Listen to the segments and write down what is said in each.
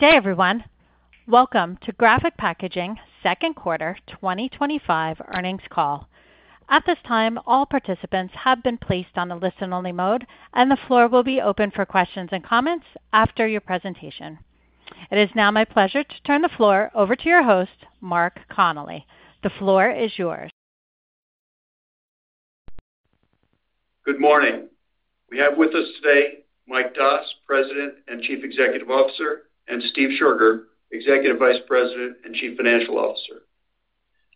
Good day everyone. Welcome to Graphic Packaging Second Quarter 2025 Earnings Call. At this time, all participants have been placed on a listen-only mode and the floor will be open for questions and comments after your presentation. It is now my pleasure to turn the floor over to your host, Mark Connelly. The floor is yours. Good morning. We have with us today Mick Doss, President and Chief Executive Officer, and Steve Scherger, Executive Vice President and Chief Financial Officer.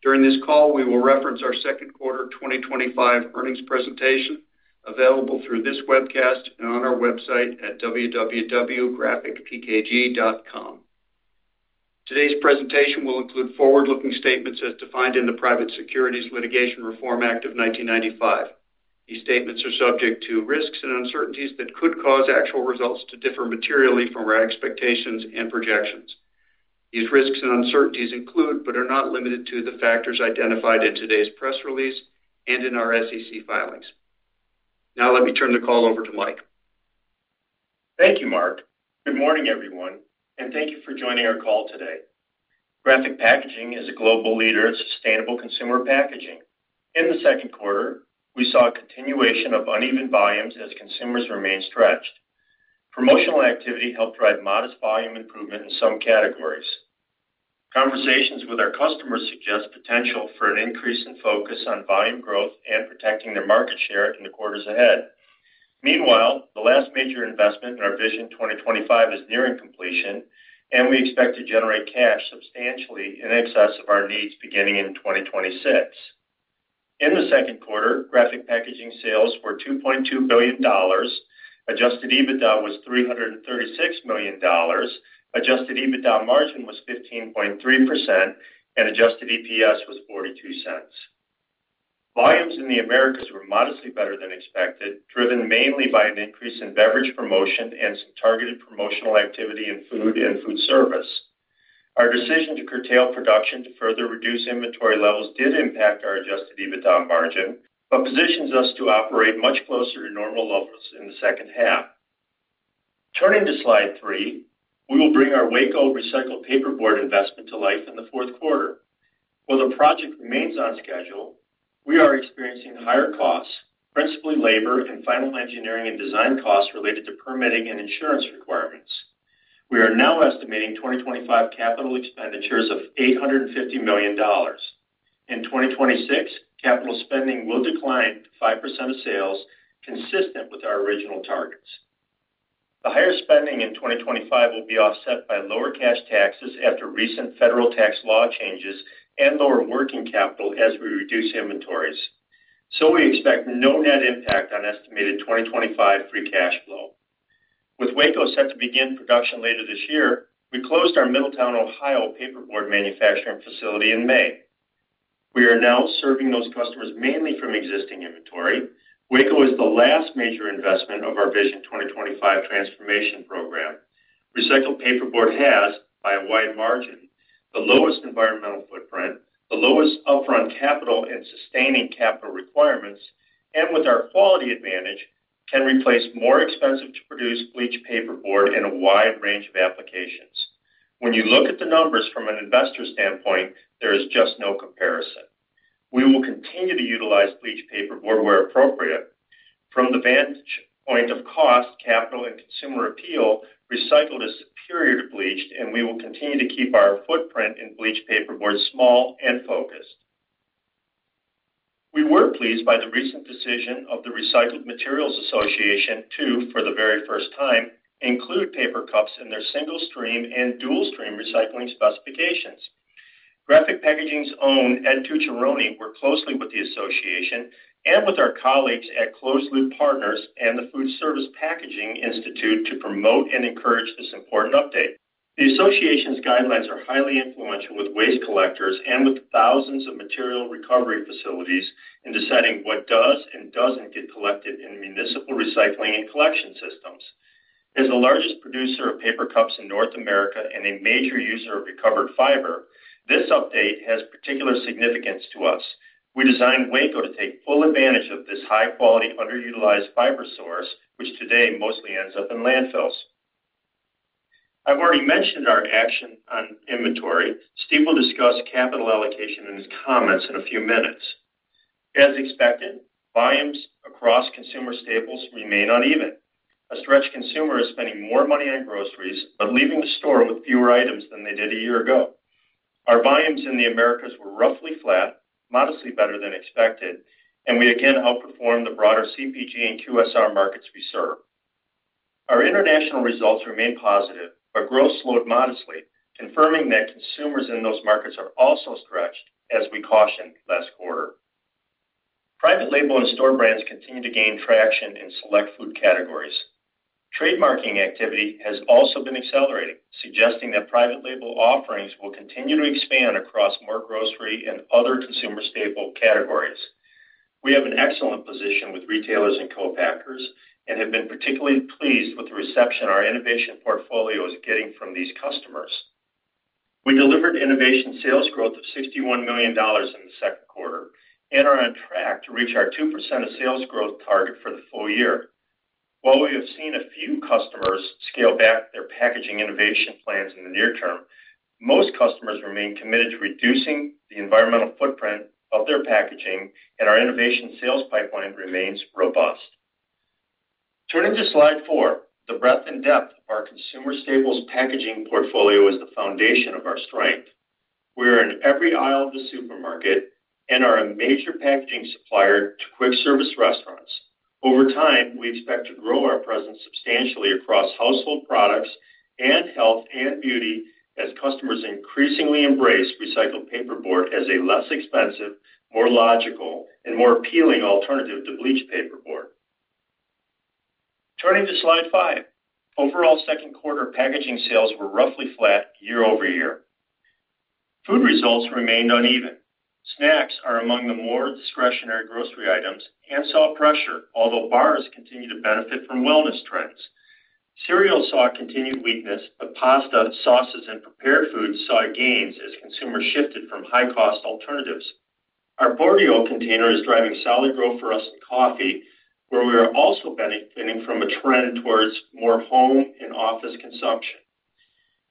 During this call, we will reference our second quarter 2025 earnings presentation, available through. This webcast and on our website at www.graphicpkg.com. Today's presentation will include forward-looking statements. As defined in the Private Securities Litigation Reform Act of 1995, these statements are subject to risks and uncertainties that could cause actual results to. Differ materially from our expectations and projections. These risks and uncertainties include, but are not limited to, the factors identified in. Today's press release and in our SEC filings. Now let me turn the call over to Mike. Thank you, Mark. Good morning everyone and thank you for joining our call today. Graphic Packaging is a global leader in sustainable consumer packaging. In the second quarter, we saw a continuation of uneven volumes as consumers remain stretched. Promotional activity helped drive modest volume improvement in some categories. Conversations with our customers suggest potential for an increase in focus on volume growth and protecting their market share in the quarters ahead. Meanwhile, the last major investment in our Vision 2025 is nearing completion and we expect to generate cash substantially in excess of our needs beginning in 2026. In the second quarter, Graphic Packaging sales were $2.2 billion. Adjusted EBITDA was $336 million. Adjusted EBITDA margin was 15.3% and adjusted EPS was $0.42. Volumes in the Americas were modestly better than expected, driven mainly by an increase in beverage promotion and some targeted promotional activity in food and food service. Our decision to curtail production to further reduce inventory levels did impact our adjusted EBITDA margin, but positions us to operate much closer to normal levels in the second half. Turning to slide three, we will bring our Waco recycled paperboard investment to life in the fourth quarter. While the project remains on schedule, we are experiencing higher costs, principally labor and final engineering and design costs related to permitting and insurance requirements. We are now estimating 2025 capital expenditures of $850 million. In 2026, capital spending will decline to 5% of sales, consistent with our original targets. The higher spending in 2025 will be offset by lower cash taxes after recent federal tax law changes and lower working capital as we reduce inventories, so we expect no net impact on estimated 2025 free cash flow. With Waco set to begin production later this year, we closed our Middletown, Ohio paperboard manufacturing facility in May. We are now serving those customers mainly from existing inventory. Waco is the last major investment of our Vision 2025 transformation program. Recycled paperboard has, by a wide margin, the lowest environmental footprint, the lowest upfront capital and sustaining capital requirements and with our quality advantage, can replace more expensive to produce bleached paperboard in a wide range of applications. When you look at the numbers from an investor standpoint, there is just no comparison. We will continue to utilize bleached paperboard where appropriate. From the vantage point of cost, capital, and consumer appeal, recycled is superior to bleached, and we will continue to keep our footprint in bleached paperboard small and focused. We were pleased by the recent decision of the Recycled Materials Association to, for the very first time, include paper cups in their single stream and dual stream specifications. Graphic Packaging's own Ed Tucciarone worked closely with the association and with our colleagues at Closed Loop Partners and the Food Service Packaging Institute to promote and encourage this important update. The association's guidelines are highly influential with waste collectors and with thousands of material recovery facilities in deciding what does and doesn't get collected in municipal recycling and collection systems. As the largest producer of paper cups in North America and a major user of recovered fiber, this update has particular significance to us. We designed Waco to take full advantage of this high-quality, underutilized fiber source, which today mostly ends up in landfills. I've already mentioned our action on inventory. Steve will discuss capital allocation in his comments in a few minutes. As expected, volumes across consumer staples remain uneven. A stretched consumer is spending more money on groceries but leaving the store with fewer items than they did a year ago. Our volumes in the Americas were roughly flat, modestly better than expected, and we again outperformed the broader CPG and QSR markets we serve. Our international results remained positive, but growth slowed modestly, confirming that consumers in those markets are also stretched. As we cautioned last quarter, private label and store brands continue to gain traction in select food categories. Trademarking activity has also been accelerating, suggesting that private label offerings will continue to expand across more grocery and other consumer staple categories. We have an excellent position with retailers and co-packers and have been particularly pleased with the reception our innovation portfolio is getting from these customers. We delivered innovation sales growth of $61 million in the second quarter and are on track to reach our 2% of sales growth target for the full year. While we have seen a few customers scale back their packaging innovation plans in the near term, most customers remain committed to reducing the environmental footprint of their packaging, and our innovation sales pipeline remains robust. Turning to slide four, the breadth and depth of our consumer staples packaging portfolio is the foundation of our strength. We are in every aisle of the supermarket and are a major packaging supplier to quick service restaurants. Over time, we expect to grow our presence substantially across household products and health and beauty as customers increasingly embrace recycled paperboard as a less expensive, more logical, and more appealing alternative to bleached paperboard. Turning to slide five overall second quarter packaging sales were roughly flat year over year. Food results remained uneven. Snacks are among the more discretionary grocery items and saw pressure, although bars continue to benefit from wellness trends. Cereal saw continued weakness, but pasta sauces and prepared foods saw gains as consumers shifted from high cost alternatives. Our Boardio container is driving solid growth for us in coffee, where we are also benefiting from a trend towards more home and office consumption.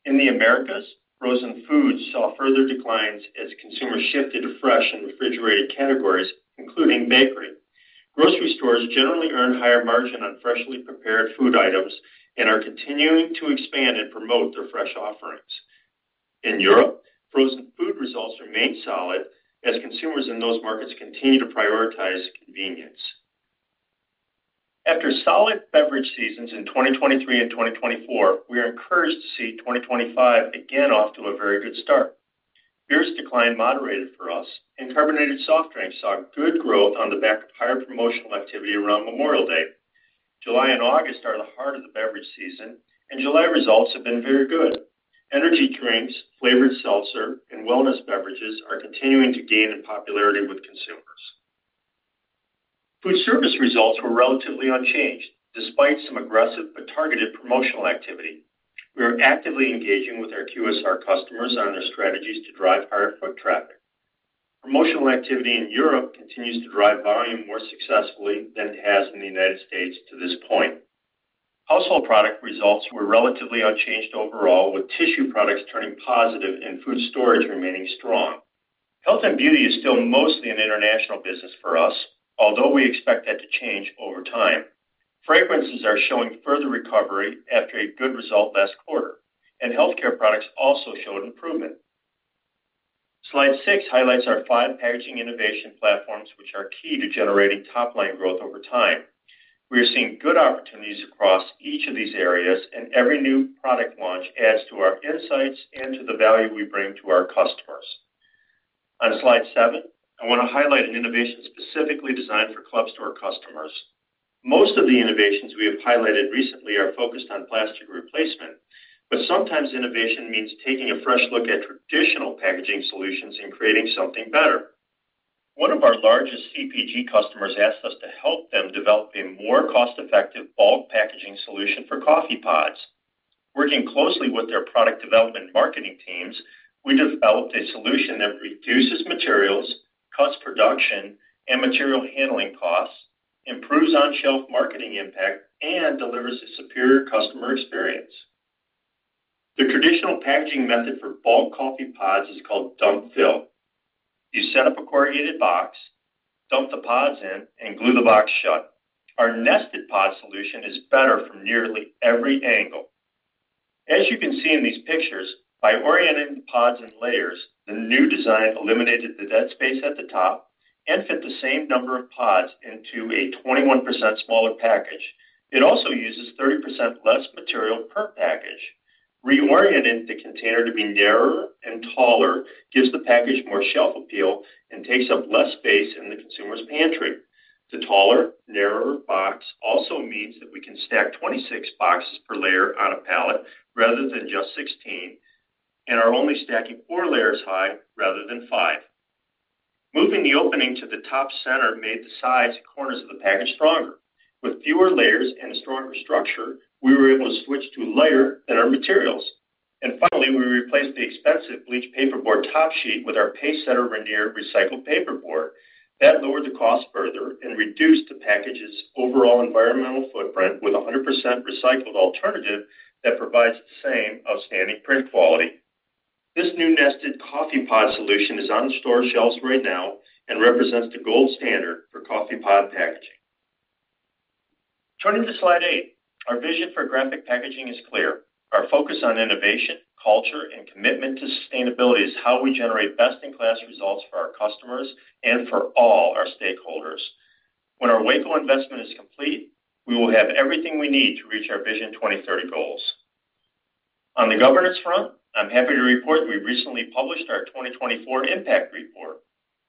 In the Americas, frozen foods saw further declines as consumers shifted to fresh and refrigerated categories, including bakery. Grocery stores generally earn higher margin on freshly prepared food items and are continuing to expand and promote their fresh offerings. In Europe, frozen food results remain solid as consumers in those markets continue to prioritize convenience. After solid beverage seasons in 2023 and 2024, we are encouraged to see 2025 again off to a very good start. Beer’s decline moderated for us, and carbonated soft drinks saw good growth on the back of higher promotional activity around Memorial Day. July and August are the heart of the beverage season, and July results have been very good. Energy drinks, flavored seltzer, and wellness beverages are continuing to gain in popularity with consumers. Food service results were relatively unchanged despite some aggressive but targeted promotional activity. We are actively engaging with our QSR customers on their strategies to drive higher foot traffic. Promotional activity in Europe continues to drive volume more successfully than it has in the United States to this point. Household product results were relatively unchanged overall, with tissue products turning positive and food storage remaining strong. Health and beauty is still mostly an international business for us, although we expect that to change over time. Fragrances are showing further recovery after a good result last quarter, and healthcare products also showed improvement. Slide six highlights our five packaging innovation platforms, which are key to generating top line growth over time. We are seeing good opportunities across each of these areas, and every new product launch adds to our insights and to the value we bring to our customers. On slide seven, I want to highlight an innovation specifically designed for club store customers. Most of the innovations we have highlighted recently are focused on plastic replacement. Sometimes innovation means taking a fresh look at traditional packaging solutions and creating something better. One of our largest CPG customers asked us to help them develop a more cost-effective bulk packaging solution for coffee pods. Working closely with their product development and marketing teams, we developed a solution that reduces materials costs, production and material handling costs, improves on-shelf marketing impact, and delivers a superior customer experience. The traditional packaging method for bulk coffee pods is called dump fill. You set up a corrugated box, dump the pods in, and glue the box shut. Our nested pod solution is better from nearly every angle, as you can see in these pictures. By orienting the pods in layers, the new design eliminated the dead space at the top and fit the same number of pods into a 21% smaller package. It also uses 30% less material per package. Reorienting the container to be narrower and taller gives the package more shelf appeal and takes up less space in the consumer's pantry. The taller, narrower box also means that we can stack 26 boxes per layer on a pallet rather than just 16 and are only stacking four layers high rather than five. Moving the opening to the top center made the sides and corners of the package stronger. With fewer layers and a stronger structure, we were able to switch to lighter-than-our materials. Finally, we replaced the expensive bleached paperboard top sheet with our PaceSetter veneer recycled paperboard. That lowered the cost further and reduced the package's overall environmental footprint with a 100% recycled alternative that provides the same outstanding print quality. This new nested coffee pod solution is on store shelves right now and represents the gold standard for coffee pod packaging. Turning to slide eight, our Graphic Packaging is clear. Our focus on innovation, culture, and commitment to sustainability is how we generate best-in-class results for our customers and for all our stakeholders. When our Waco investment is complete, we will have everything we need to reach our Vision 2030 goals. On the governance front, I'm happy to report we recently published our 2024 impact report.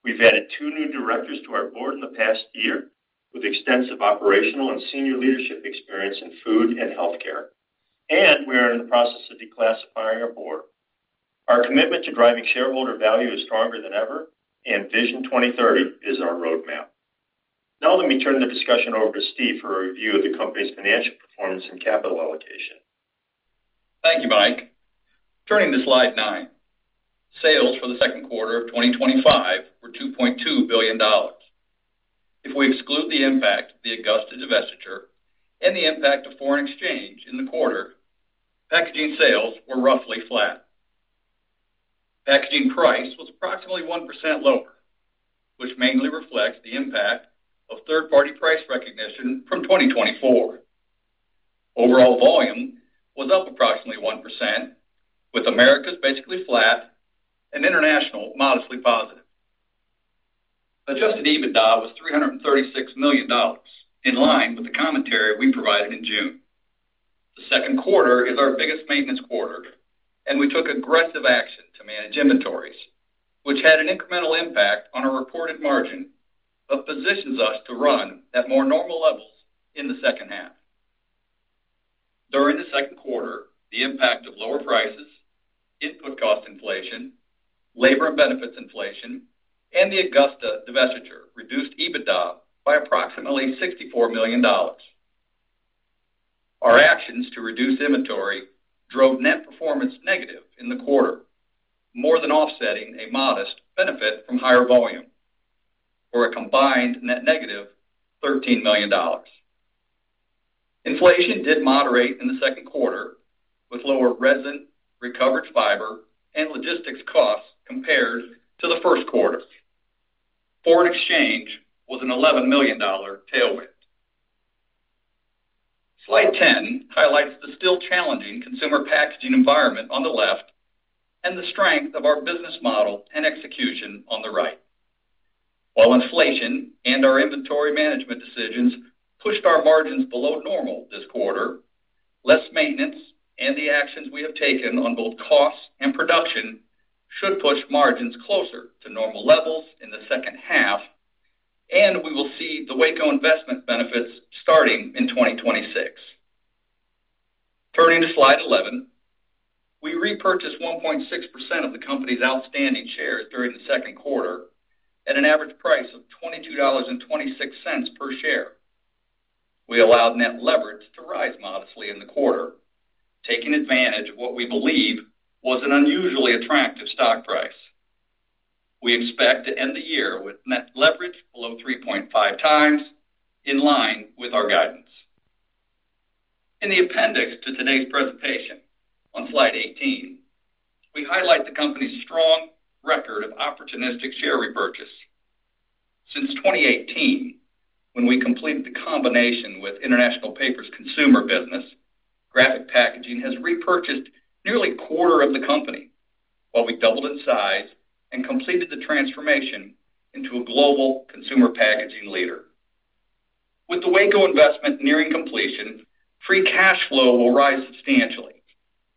We've added two new directors to our board in the past year with extensive operational and senior leadership experience in Food and Healthcare, and we are in the process of declassifying our board. Our commitment to driving shareholder value is stronger than ever, and Vision 2030 is our roadmap. Now let me turn the discussion over to Steve for a review of the company's financial performance and capital allocation. Thank you, Mike. Turning to Slide nine, sales for the second quarter of 2025 were $2.2 billion. If we exclude the impact of the Augusta divestiture and the impact of foreign exchange in the quarter, packaging sales were roughly flat. Packaging price was approximately 1% lower, which mainly reflects the impact of third party price recognition from 2024. Overall volume was up approximately 1% with Americas basically flat and international modestly positive. Adjusted EBITDA was $336 million. In line with the commentary we provided in June, the second quarter is our biggest maintenance quarter, and we took aggressive action to manage inventories, which had an incremental impact on our reported margin but positions us to run at more normal levels in the second half. During the second quarter, the impact of lower prices, input cost inflation, labor and benefits inflation, and the Augusta divestiture reduced EBITDA by approximately $64 million. Our actions to reduce inventory drove net performance negative in the quarter, more than offsetting a modest benefit from higher volume for a combined net -$13 million. Inflation did moderate in the second quarter with lower resin, recovered fiber, and logistics costs. Compared to the first quarter, foreign exchange was an $11 million tailwind. Slide 10 highlights the still challenging consumer packaging environment on the left and the strength of our business model and execution on the right. While inflation and our inventory management decisions pushed our margins below normal this quarter, less maintenance and the actions we have taken on both cost and production should push margins closer to normal levels in the second half, and we will see the Waco investment benefits starting in 2026. Turning to Slide 11, we repurchased 1.6% of the company's outstanding shares during the second quarter at an average price of $22.26 per share. We allowed net leverage to rise modestly in the quarter, taking advantage of what we believe was an unusually attractive stock price. We expect to end the year with net leverage below 3.5x, in line with our guidance. In the appendix to today's presentation on Slide 18, we highlight the company's strong record of opportunistic share repurchase. Since 2018, when we completed the combination with International Paper's Consumer business, Graphic Packaging has repurchased nearly a quarter of the company while we doubled in size and completed the transformation into a global consumer packaging leader. With the Waco investment nearing completion, free cash flow will rise substantially,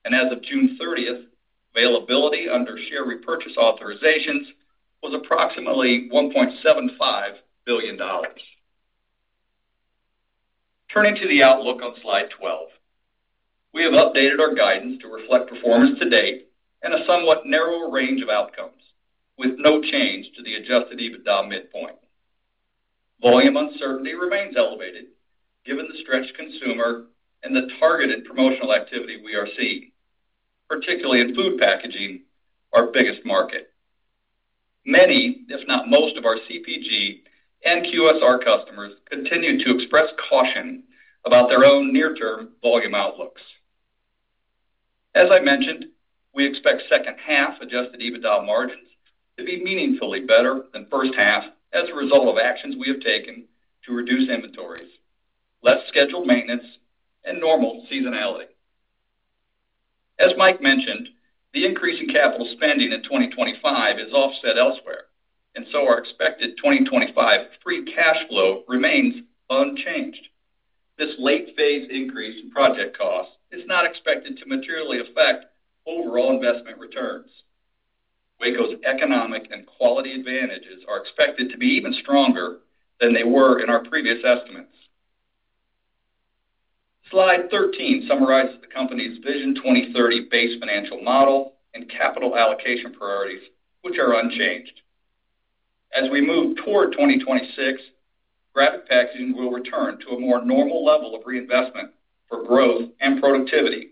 and as of June 30, availability under share repurchase authorizations was approximately $1.75 billion. Turning to the outlook on Slide 12, we have updated our guidance to reflect performance to date and a somewhat narrower range of outcomes with no change to the adjusted EBITDA midpoint. Volume uncertainty remains elevated given the stretched consumer and the targeted promotional activity we are seeing, particularly in food packaging, our biggest market. Many, if not most, of our CPG and QSR customers continue to express caution about their own near-term volume outlooks. As I mentioned, we expect second half adjusted EBITDA margins to be meaningfully better than first half as a result of actions we have taken to reduce inventories, less scheduled maintenance, and normal seasonality. As Mike mentioned, the increase in capital spending in 2025 is offset elsewhere, and so our expected 2025 free cash flow remains unchanged. This late phase increase in project costs is not expected to materially affect overall investment returns. Waco's economic and quality advantages are expected to be even stronger than they were in our previous estimates. Slide 13 summarizes the company's Vision 2030 base financial model and capital allocation priorities, which are unchanged. As we move toward 2026, Graphic Packaging will return to a more normal level of reinvestment for growth and productivity,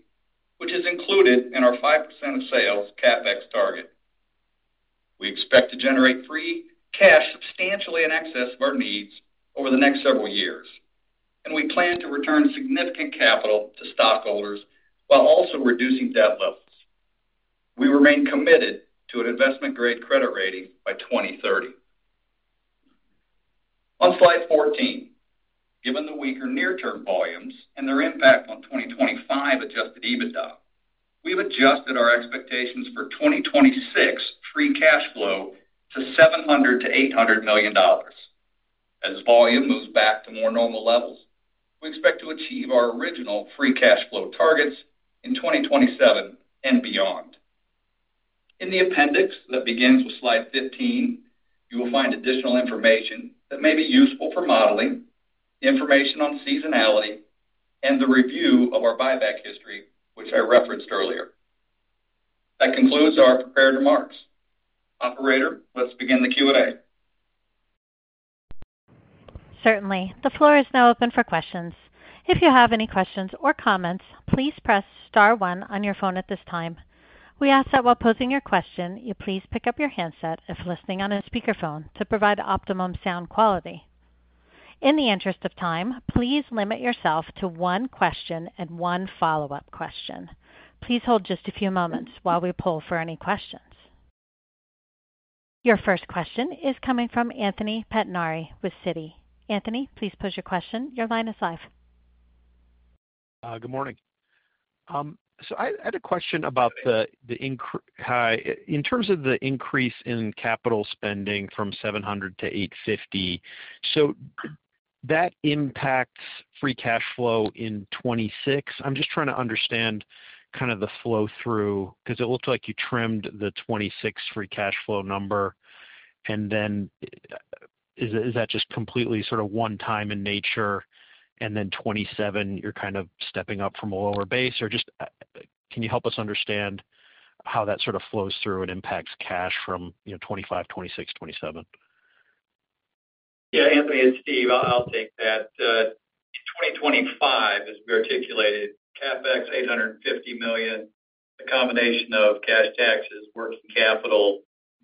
which is included in our 5% of sales CapEx target. We expect to generate free cash substantially in excess of our needs over the next several years, and we plan to return significant capital to stockholders while also reducing debt levels. We remain committed to an investment grade credit rating by 2030 on Slide 14. Given the weaker near-term volumes and their impact on 2025 adjusted EBITDA, we've adjusted our expectations for 2026 free cash flow to $700 million-$800 million. As volume moves back to more normal levels, we expect to achieve our original free cash flow targets in 2027 and beyond. In the appendix that begins with slide 15, you will find additional information that may be useful for modeling information on seasonality and the review of our buyback history which I referenced earlier. That concludes our prepared remarks. Operator, let's begin the Q&A. Certainly, the floor is now open for questions. If you have any questions or comments, please press star one on your phone at this time. We ask that while posing your question, you please pick up your handset if listening on a speakerphone to provide optimum sound quality. In the interest of time, please limit yourself to one question and one follow-up question. Please hold just a few moments while we poll for any questions. Your first question is coming from Anthony Pettinari with Citi. Anthony, please pose your question. Your line is live. Good morning. I had a question about the increase in capital spending from $700 million to $850 million, so that impacts free cash flow in 2026. I'm just trying to understand the flow through because it looked like you trimmed the 2026 free cash flow number. Is that just completely one time in nature, and then in 2027, you're stepping up from a lower base? Can you help us understand how that flows through and impacts cash from 2025, 2026, and 2027? Yeah. Anthony, it's Steve. I'll take that. In 2025, as we articulated, CapEx $850 million, a combination of cash taxes, working capital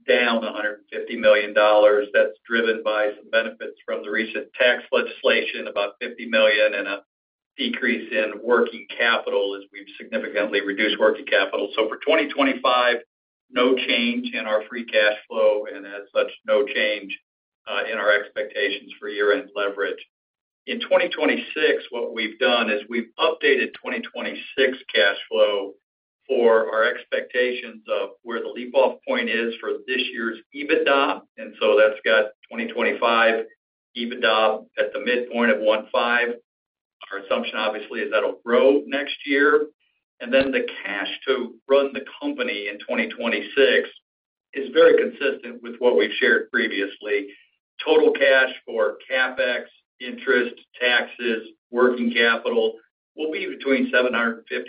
down $150 million. That's driven by some benefits from the recent tax legislation, about $50 million, and a decrease in working capital as we've significantly reduced working capital. For 2025, no change in our free cash flow and as such no change in our expectations for year-end leverage in 2026. What we've done is we've updated 2026 cash flow for our expectations of where the leap off point is for this year's EBITDA. That's got 2025 EBITDA at the midpoint of 1.5. Our assumption obviously is that'll grow next year, and the cash to run the company in 2026 is very consistent with what we've shared previously. Total cash for CapEx, interest, taxes, working capital will be between $750 million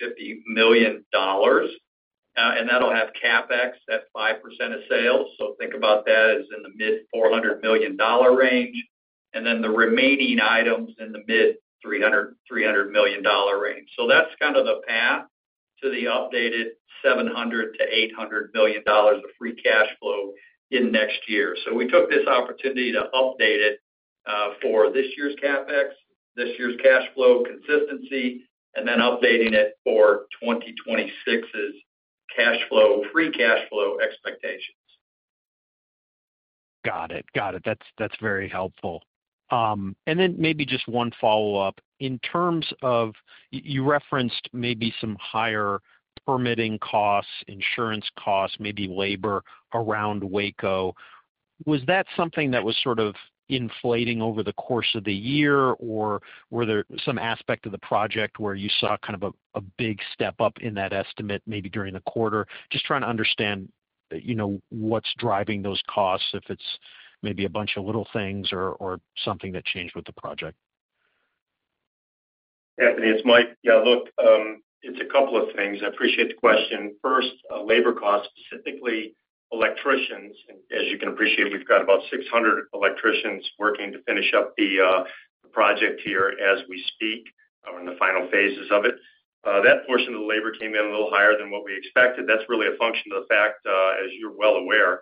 and $850 million. That'll have CapEx at 5% of sales. Think about that as in the mid $400 million range, and the remaining items in the mid $300 million range. That's the path to the updated $700 million-$800 million of free cash flow in next year. We took this opportunity to update it for this year's CapEx, this year's cash flow consistency, and then updating it for 2026's cash flow, free cash flow expectations. Got it, got it. That's very helpful. Maybe just one follow up in terms of you referenced maybe some higher permitting costs, insurance costs, maybe labor around Waco. Was that something that was sort of. Inflating over the course of the year. Were there some aspects of the project where you saw kind of a big step up in that estimate maybe during the quarter? Just trying to understand what's driving those costs. If it's maybe a bunch of little things or something that changed with the project? Anthony, it's Mike. Yeah, look, it's a couple of things. I appreciate the question. First, labor costs, specifically electricians. As you can appreciate, we've got about 600 electricians working to finish up the project here as we speak. In the final phases of it, that portion of the labor came in a little higher than what we expected. That's really a function of the fact, as you're well aware,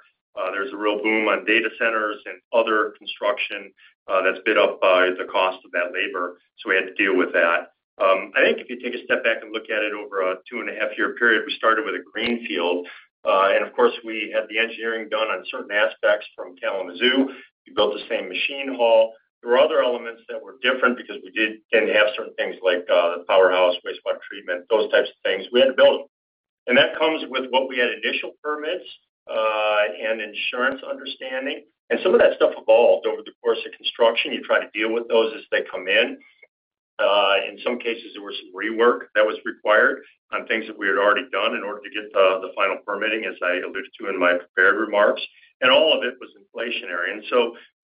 there's a real boom on data centers and other construction that's bid up the cost of that labor. We had to deal with that. I think if you take a step back and look at it over a two and a half year period, we started with a Greenfield and of course we had the engineering done on certain aspects from Kalamazoo. We built the same machine hall. There were other elements that were different because we didn't have certain things like the powerhouse, wastewater treatment, those types of things we had to build. That comes with what we had, initial permits and insurance understanding, and some of that stuff evolved over the course of construction. You try to deal with those as they come in. In some cases, there was some rework that was required on things that we had already done in order to get the final permitting, as I alluded to in my prepared remarks. All of it was inflationary.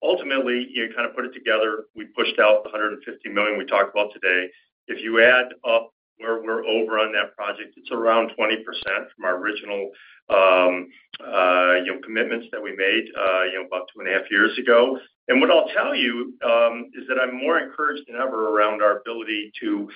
Ultimately, you kind of put it together. We pushed out the $150 million we talked about today. If you add up where we're over on that project, it's around 20% from our original commitments that we made about two and a half years ago. What I'll tell you is that I'm more encouraged than ever around our ability to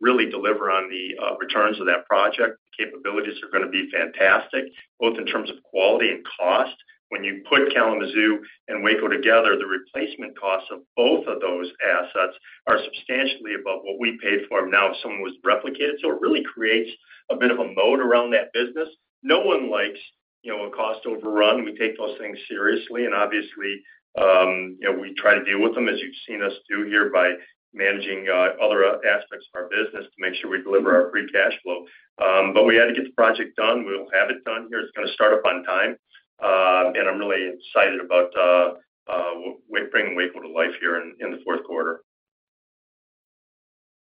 really deliver on the returns of that project. Capabilities are going to be fantastic both in terms of quality and cost. When you put Kalamazoo and Waco together, the replacement costs of both of those assets are substantially above what we paid for now if someone was to replicate it. It really creates a bit of a moat around that business. No one likes a cost overrun. We take those things seriously and obviously we try to deal with them as you've seen us do here by managing other aspects of our business to make sure we deliver our free cash flow. We had to get the project done. We'll have it done here. It's going to start up on time. I'm really excited about bringing Waco to life here in the fourth quarter.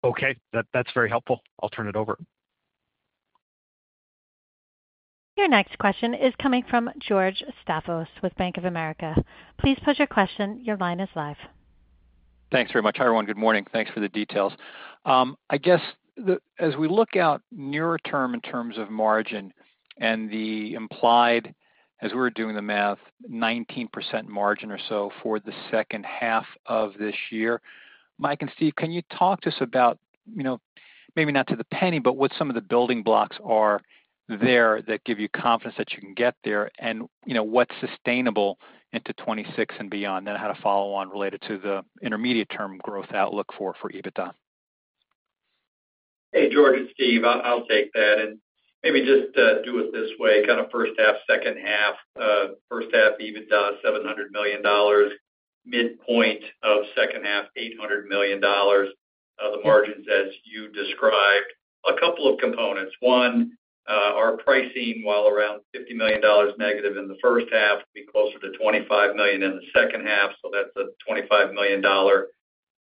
Okay, that's very helpful. I'll turn it over. Your next question is coming from George Staphos with Bank of America. Please pose your question. Your line is live. Thanks very much. Hi everyone. Good morning. Thanks for the details. I guess as we look out nearer term in terms of margin and the implied as we were doing the math, 19% margin or so for the second half of this year. Mike and Steve, can you talk to us about, you know, maybe not to the penny, but what some of the building blocks are there that give you confidence that you can get there and you know, what's sustainable into 2026 and beyond. I had a follow on related. To the intermediate term growth outlook for EBITDA. Hey, George and Steve, I'll take that and maybe just do it this way, kind of first half, second half. First half EBITDA $700 million, midpoint of second half, $800 million. The margins, as you described, a couple of components. One, our pricing, while around $50 million negative in the first half, will be closer to $25 million in the second half. That's a $25 million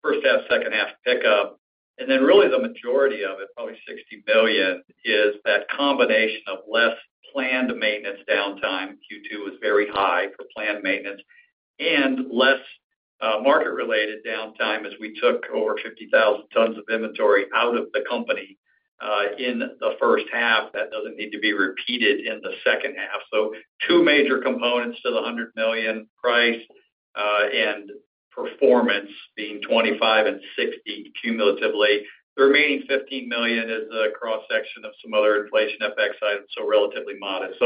first half, second half pickup. Really, the majority of it, probably $60 million, is that combination of less planned maintenance downtime. Q2 was very high for planned maintenance and less market related downtime as we took over 50,000 tons of inventory out of the company in the first half. That doesn't need to be repeated in the second half. Two major components to the $100 million price and performance being 25 and 60. Cumulatively, the remaining $15 million is a cross section of some other inflation FX items, so relatively modest.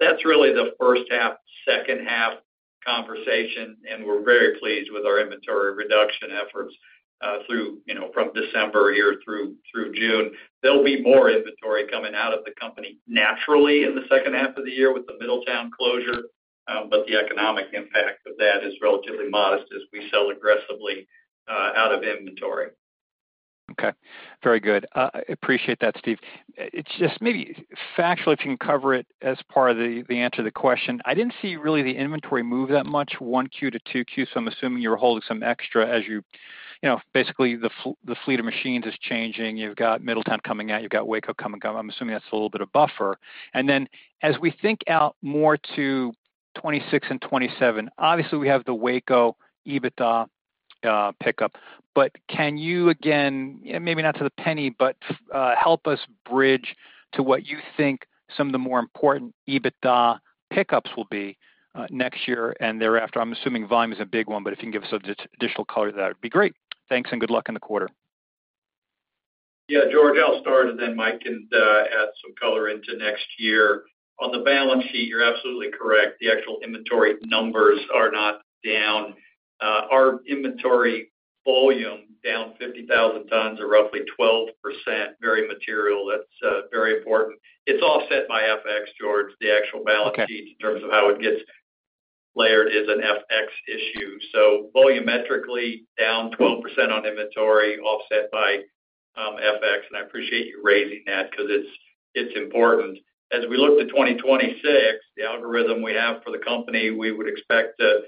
That's really the first half, second half conversation. We're very pleased with our inventory reduction efforts from December here through June. There'll be more inventory coming out of the company naturally in the second half of the year with the Middletown closure, but the economic impact of that is relatively modest as we sell aggressively out of inventory. Okay, very good. Appreciate that, Steve. Maybe just factual, if you can cover it as part of the answer to the question. I didn't see really the inventory move that much 1Q to 2Q. I'm assuming you were holding some extra as you, you know, basically the fleet of machines is changing. You've got Middletown coming out, you've got Waco coming. I'm assuming that's a little bit of buffer. As we think out more to 2026 and 2027, obviously we have the Waco EBITDA pickup, but can you again, maybe not to the penny, but help us bridge to what you think some of the more important EBITDA pickups will be next year and thereafter. I'm assuming volume is a big one. If you can give us additional. Thanks and good luck in the quarter. Yeah, George, I'll start and then Mike can add some color into next year on the balance sheet. You're absolutely correct. The actual inventory numbers are not down. Our inventory volume is down 50,000 tons or roughly 12%. That's very material, that's very important. It's offset by FX. George. The actual balance sheet in terms of how it gets layered is an FX issue. Volumetrically down 12% on inventory, offset by FX. I appreciate you raising that because it's important as we look to 2026, the algorithm we have for the company we would expect to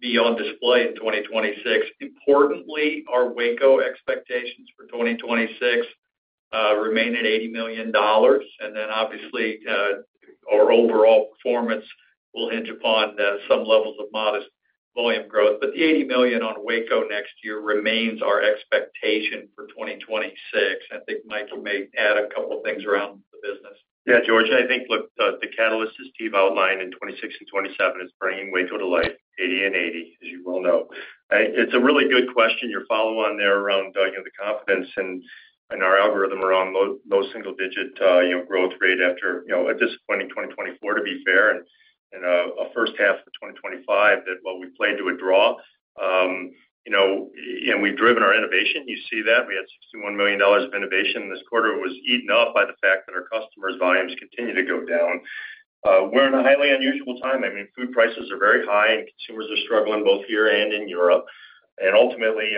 be on display in 2026. Importantly, our Waco expectations for 2026 remain at $80 million. Obviously, our overall performance will hinge upon some levels of modest volume growth. The $80 million on Waco next year remains our expectation for 2026. I think Mike, you may add a couple of things around the business. Yeah, George, I think look, the catalyst as Steve outlined in 2026 and 2027 is bringing Waco to life. 80 and 80, as you well know. It's a really good question. Your follow on there around, you know, the confidence and our algorithm around low single digit, you know, growth rate after, you know, a disappointing 2024, to be fair, and in a first half of 2025, that while we played to a draw, you know, and we've driven our innovation, you see that we had $61 million of innovation this quarter was eaten up by the fact that our customers' volumes continue. We're in a highly unusual time. I mean, food prices are very high and consumers are struggling both here and in Europe. Ultimately,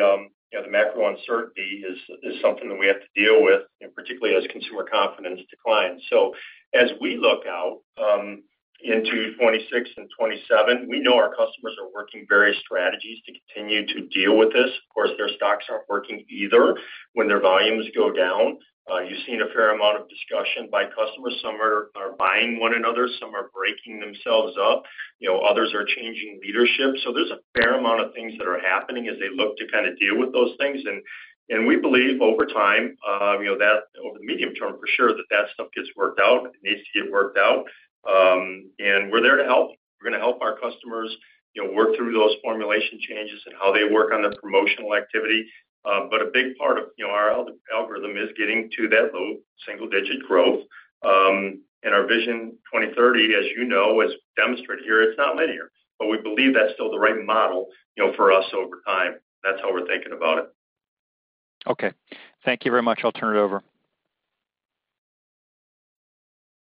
the macro uncertainty is something that we have to deal with, particularly as consumer confidence declines. As we look out into 2026 and 2027, we know our customers are working various strategies to continue to deal with this. Of course, their stocks aren't working either when their volumes go down. You've seen a fair amount of discussion by customers. Some are buying one another, some are breaking themselves up, others are changing leadership. There's a fair amount of things that are happening as they look to kind of deal with those things. We believe over time, you know, that over the medium term for sure that that stuff gets worked out, needs to get worked out and we're there to help. We're going to help our customers, you know, work through those formulation changes and how they work on the promotional activity. A big part of our algorithm is getting to that low single digit growth and our Vision 2030, as you know, as demonstrated here, it's not linear, but we believe that's still the right model for us over time. That's how we're thinking about it. Okay, thank you very much. I'll turn it over.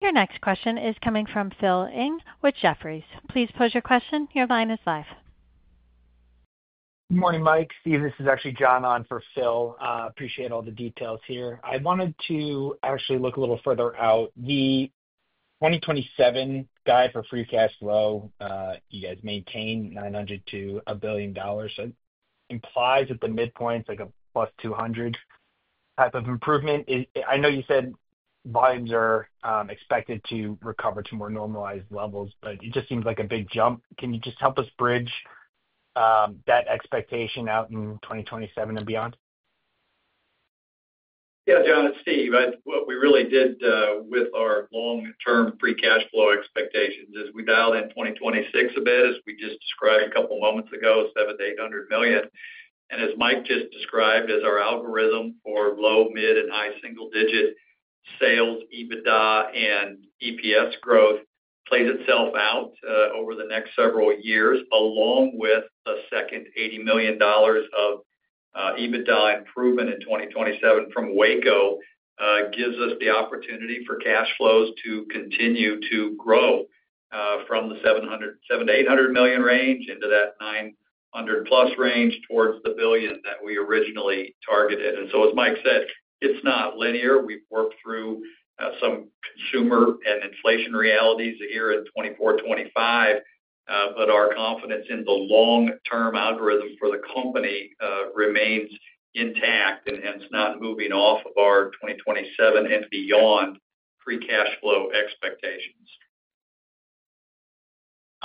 Your next question is coming from Phil Ng with Jefferies. Please pose your question. Your line is live. Morning, Mike. Steve, this is actually John on for Phil. Appreciate all the details here. I wanted to actually look a little further out. The 2027 guide for free cash flow. You guys maintain $900 million-$1 billion. Implies that the midpoint is like a plus 200 type of improvement. I know you said volumes are expected. To recover to more normalized levels, but it just seems like a big jump. Can you just help us bridge that expectation out in 2027 and beyond? Yeah, John, it's Steve. What we really did with our long-term free cash flow expectations is we dialed in 2026 a bit as we just described a couple moments ago, $700 million-$800 million. As Mike just described, as our algorithm for low, mid, and high single-digit sales, EBITDA, and EPS growth plays itself out over the next several years along with a second $80 million of EBITDA improvement in 2027 from Waco, it gives us the opportunity for cash flows to continue to grow from the $700 million-$800 million range into that $900 million plus range towards the billion that we originally targeted. As Mike said, it's not linear. We've worked through some consumer and inflation realities here in 2024 and 2025, but our confidence in the long-term algorithm for the company remains intact, and hence not moving off of our 2027 and beyond free cash flow expectations.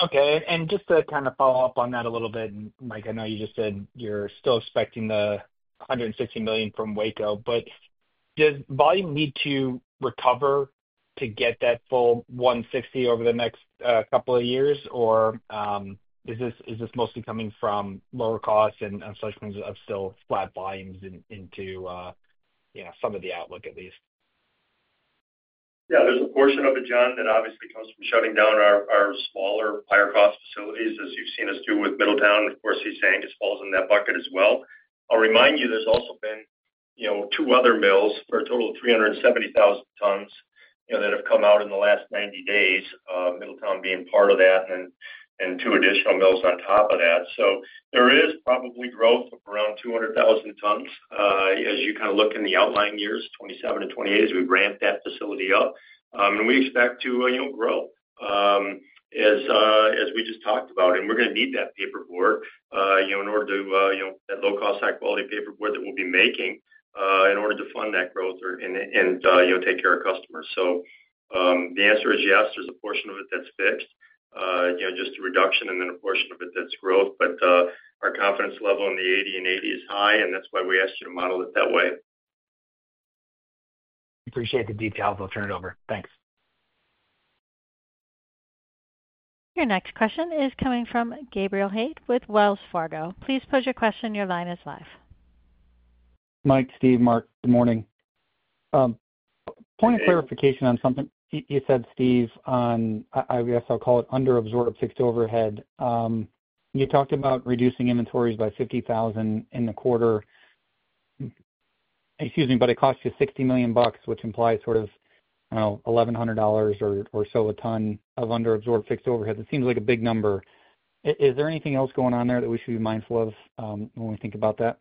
Okay, just to kind of follow. Up on that a little bit, Mike. I know you just said you're still. Expecting the $160 million from Waco, but does volume need to recover to get that full $160 million over the next couple of years, or is this mostly coming from lower costs and such flat volumes into some of the outlook at least? Yeah, there's a portion of it, John, that obviously comes from shutting down our smaller, higher cost facilities as you've seen us do with Middletown. Of course, he's saying it falls in that bucket as well. I'll remind you there's also been two other mills for a total of 370,000 tons that have come out in the last 90 days, Middletown being part of that and two additional mills on top of that. There is probably growth of around 200,000 tons as you kind of look in the outlying years 2027 and 2028 as we ramp that facility up and we expect to grow, as we just talked about. We're going to need that paperboard, you know, that low cost, high quality paperboard that we'll be making in order to fund that growth or, you know, take care of customers. The answer is yes, there's a portion of it that's fixed, just a reduction and then a portion of it that's growth. Our confidence level in the 80 and 80 is high and that's why we asked you to model it that way. Appreciate the details. I'll turn it over, thanks. Your next question is coming from [Gabe Hajde] with Wells Fargo. Please pose your question. Your line is live. Mike, Steve, Mark, good morning. Point of clarification on something you said, Steve, on I guess I'll call it under absorbed fixed overhead. You talked about reducing inventories by 50,000 in the quarter. Excuse me, but it cost you $60 million, which implies sort of $1,100 or so a ton of under absorbed fixed overhead. That seems like a big number. Is there anything else going on there that we should be mindful of when. We think about that?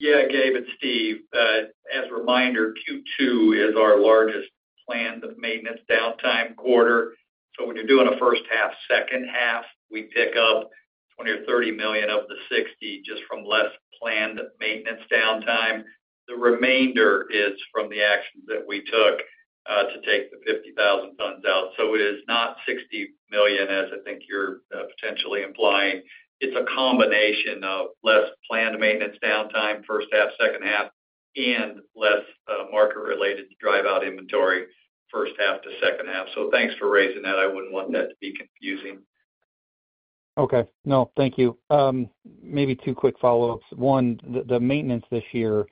Yeah, Gabe, it's Steve. As a reminder, Q2 is our largest planned maintenance downtime quarter. When you're doing a first half, second half, we pick up $20 million or $30 million of the $60 million just from less planned maintenance downtime. The remainder is from the action that we took to take the 50,000 tons out. It is not $60 million, as I think you're potentially implying. It's a combination of less planned maintenance downtime first half, second half, and less market related drive out inventory first half to second half. Thanks for raising that. I wouldn't want that to be confusing. Okay, no, thank you. Maybe two quick follow ups. One, the maintenance this year,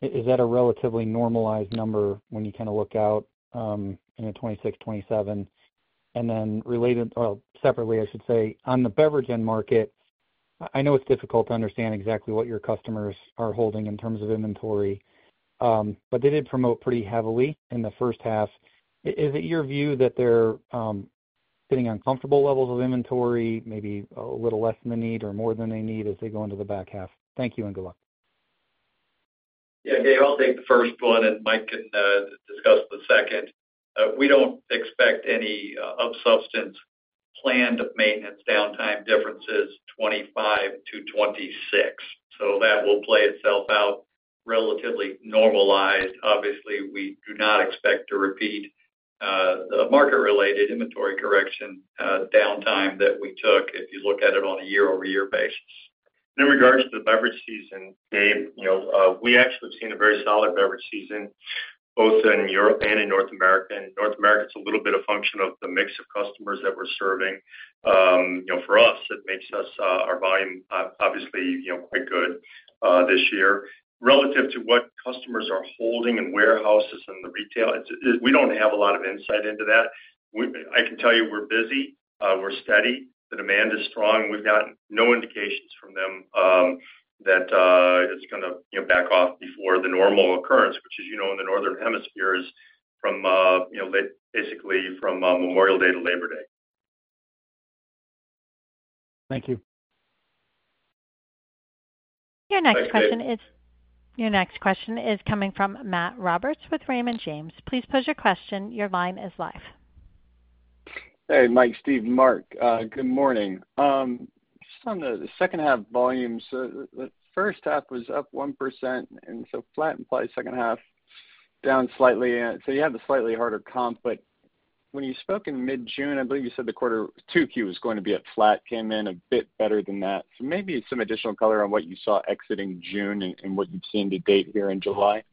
is that a relatively normalized number when you kind of look out in 2026, 2027? Separately, on the beverage end market, I know it's difficult to understand exactly what your customers are holding in terms of inventory, but they did promote pretty heavily in the first half. Is it your view that they're getting uncomfortable levels of inventory? Maybe a little less than they need or more than they need as they go into the back half. Thank you and good luck. Yeah, Gabe, I'll take the first one and Mike can discuss the second. We don't expect any of substance planned maintenance downtime differences 2025 to 2026, so that will play itself out relatively normalized. Obviously, we do not expect to repeat the market related inventory correction downtime that we took, if you look at it on a year-over-year basis. Regards to the beverage season, Dave, we actually have seen a very solid beverage season both in Europe and in North America. In North America, it's a little bit a function of the mix of customers that we're serving for us. It makes us our volume obviously quite good this year relative to what customers are holding in warehouses and the retail. We don't have a lot of insight into that. I can tell you we're busy, we're steady, the demand is strong. We've got no indications from them that it's going to back off before the normal occurrence, which as you know, in the Northern Hemisphere is from, you know, basically from Memorial Day to Labor Day. Thank you. Your next question is coming from Matt Roberts with Raymond James. Please pose your question. Your line is live. Hey, Mike, Steve, Mark, good morning. Just on the second half volumes, the first half was up 1% and so flat implies second half down slightly. You have a slightly harder comp. When you spoke in mid June, I believe you said the quarter 2Q was going to be at flat. Came in a bit better than that. Maybe some additional color on what you saw exiting June and what you've seen to date here in July.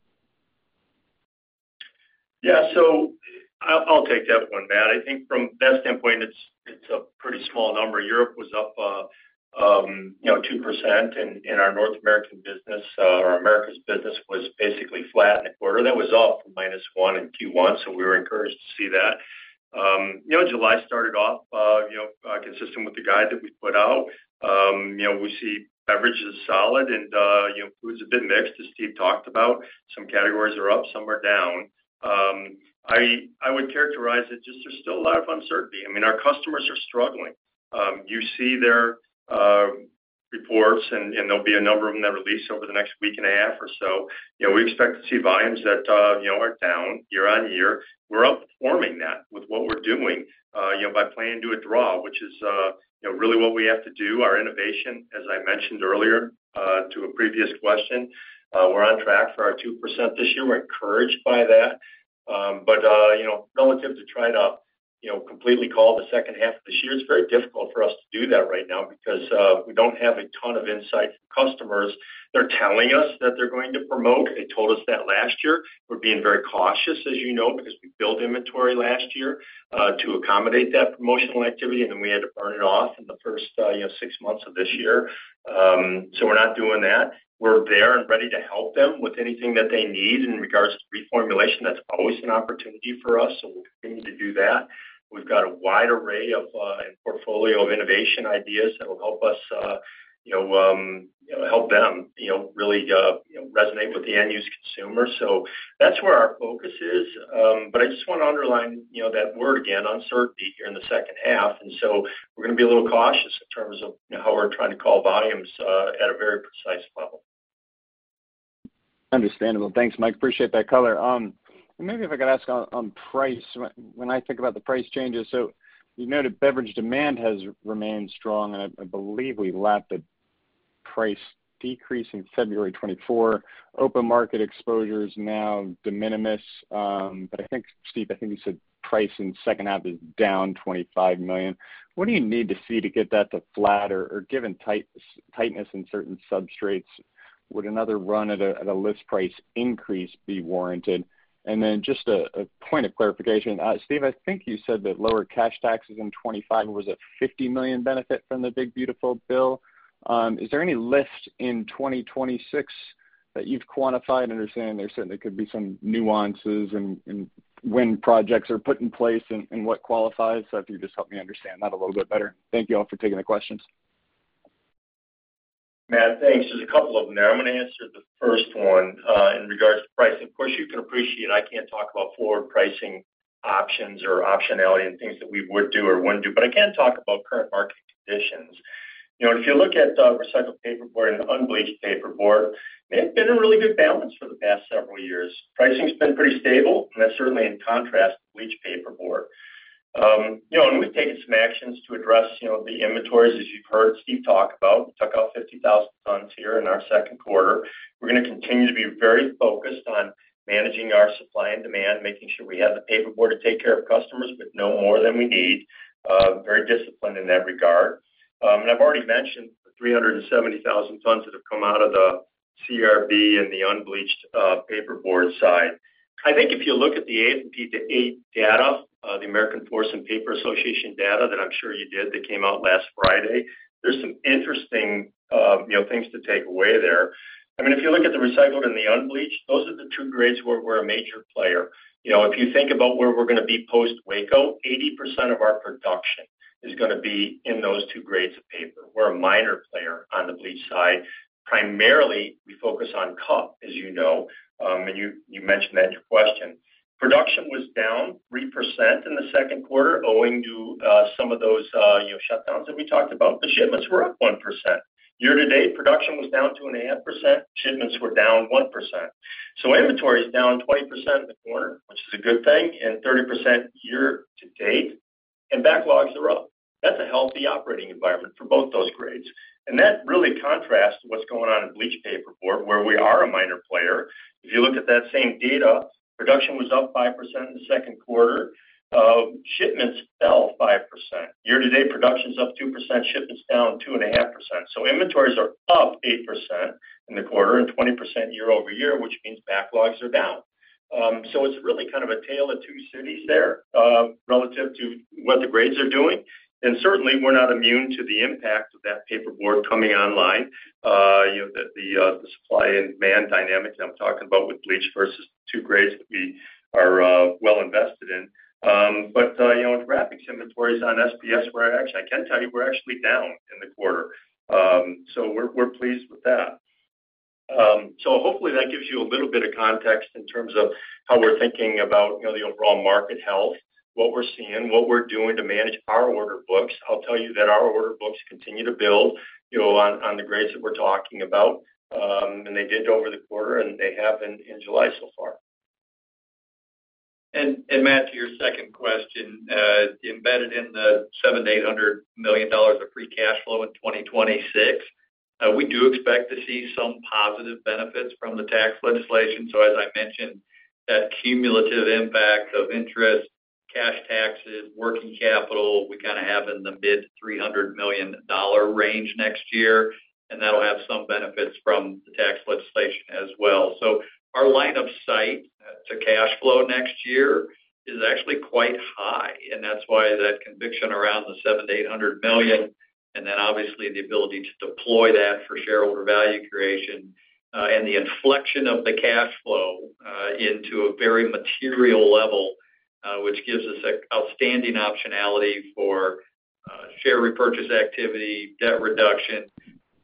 I'll take that one, Matt. I think from that standpoint it's a pretty small number. Europe was up 2% and our North American business, our Americas business, was basically flat in the quarter. That was up -1 in Q1. We were encouraged to see that July started off consistent with the guide that we put out. We see beverage is solid and food's a bit mixed. As Steve talked about, some categories are up, some are down. I would characterize it just there's still a lot of uncertainty. Our customers are struggling. You see their reports and there'll be a number of them that release over the next week and a half or so. We expect to see volumes that are down year on year. We're outperforming that with what we're doing by playing to a draw, which is really what we have to do. Our innovation, as I mentioned earlier to a previous question, we're on track for our 2% this year. We're encouraged by that. Relative to trying to completely call the second half of this year, it's very difficult for us to do that right now because we don't have a ton of insight from customers. They're telling us that they're going to promote, they told us that last year. We're being very cautious, as you know, because we built inventory last year to accommodate that promotional activity and then we had to burn it off in the first six months of this year. We're not doing that. We're there and ready to help them with anything that they need in regards to reformulation. That's always an opportunity for us. We'll continue to do that. We've got a wide array of portfolio of innovation ideas that will help us help them really resonate with the end use consumer. That's where our focus is. I just want to underline that word again, uncertainty here in the second half. We're going to be a little cautious in terms of how we're trying to call volumes at a very precise level. Understandable. Thanks, Mike. Appreciate that. Color. Maybe if I could ask on price, when I think about the price changes. You noted beverage demand has remained strong and I believe we lapped a price decrease in February 2024. Open market exposures now de minimis. I think, Steve, you said price in second half is down $25 million. What do you need to see to get that to flatter or, given tightness in certain substrates, would another run at a list price increase be warranted? Just a point of clarification, Steve, I think you said that lower cash taxes in 2025 was a $50. Million benefit from the big beautiful bill. Is there any lift in 2026 that you've quantified? Understand there certainly could be some nuances. When projects are put in place and what qualifies. If you just help me understand that a little bit better. Thank you all for taking the questions. Matt, thanks. There's a couple of them there. I'm going to answer the first one. In regards to pricing, of course you can appreciate I can't talk about forward pricing options or optionality and things that we would do or wouldn't do. I can talk about current market conditions. If you look at recycled paperboard and unbleached paperboard, they've been in really good balance for the past several years. Pricing has been pretty stable. That's certainly in contrast to bleached paperboard, and we've taken some actions to address the inventories. As you've heard Steve talk about, we took out 50,000 tons here in our second quarter. We're going to continue to be very focused on managing our supply and demand, making sure we have the paperboard to take care of customers with no more than we need. Very disciplined in that regard. I've already mentioned 370,000 tons that have come out of the CRB and the unbleached paperboard side. If you look at the AF&PA data, the American Forest and Paper Association data that I'm sure you did, that came out last Friday, there's some interesting things to take away there. If you look at the recycled and the unbleached, those are the two grades where we're a major player. If you think about where we're going to be post Waco, 80% of our production is going to be in those two grades of paper. We're a minor player on the bleached side. Primarily we focus on cup, as you know. You mentioned that in your question, production was down 3% in the second quarter owing to some of those shutdowns that we talked about. The shipments were up 1% year to date. Production was down 2.5%, shipments were down 1%. Inventory is down 20% in the quarter, which is a good thing, and 30% year to date, and backlogs are up. That's a healthy operating environment for both those grades. That really contrasts what's going on in bleached paperboard where we are a minor player. If you look at that same data, production was up 5% in the second quarter. Shipments fell 5% year to date. Production is up 2%, shipments down 2.5%. Inventories are up 8% in the quarter and 20% year-over-year, which means backlogs are down. It's really kind of a tale of two cities there relative to what the grades are doing. Certainly we're not immune to the impact of that paperboard coming online. You know, the supply and demand dynamic that I'm talking about with bleached paperboard versus two grades that we are well invested in. Graphic's inventories on SBS were actually, I can tell you, actually down in the quarter. We're pleased with that. Hopefully that gives you a little bit of context in terms of how we're thinking about the overall market health, what we're seeing, what we're doing to manage our order books. I'll tell you that our order books continue to build, continue on the grades that we're talking about, and they did over the quarter, and they have in July so far. Matt, to your second question embedded in the $700-$800 million of free cash flow in 2026, we do expect to see some positive benefits from the tax legislation. As I mentioned, that cumulative impact of interest, cash taxes, working capital we kind of have in the mid $300 million range next year and that'll have some benefits from the tax legislation as well. Our line of sight to cash flow next year is actually quite high. That is why that conviction around the $700-$800 million and then obviously the ability to deploy that for shareholder value creation and the inflection of the cash flow into a very material level which gives us outstanding optionality for share repurchase activity, debt reduction.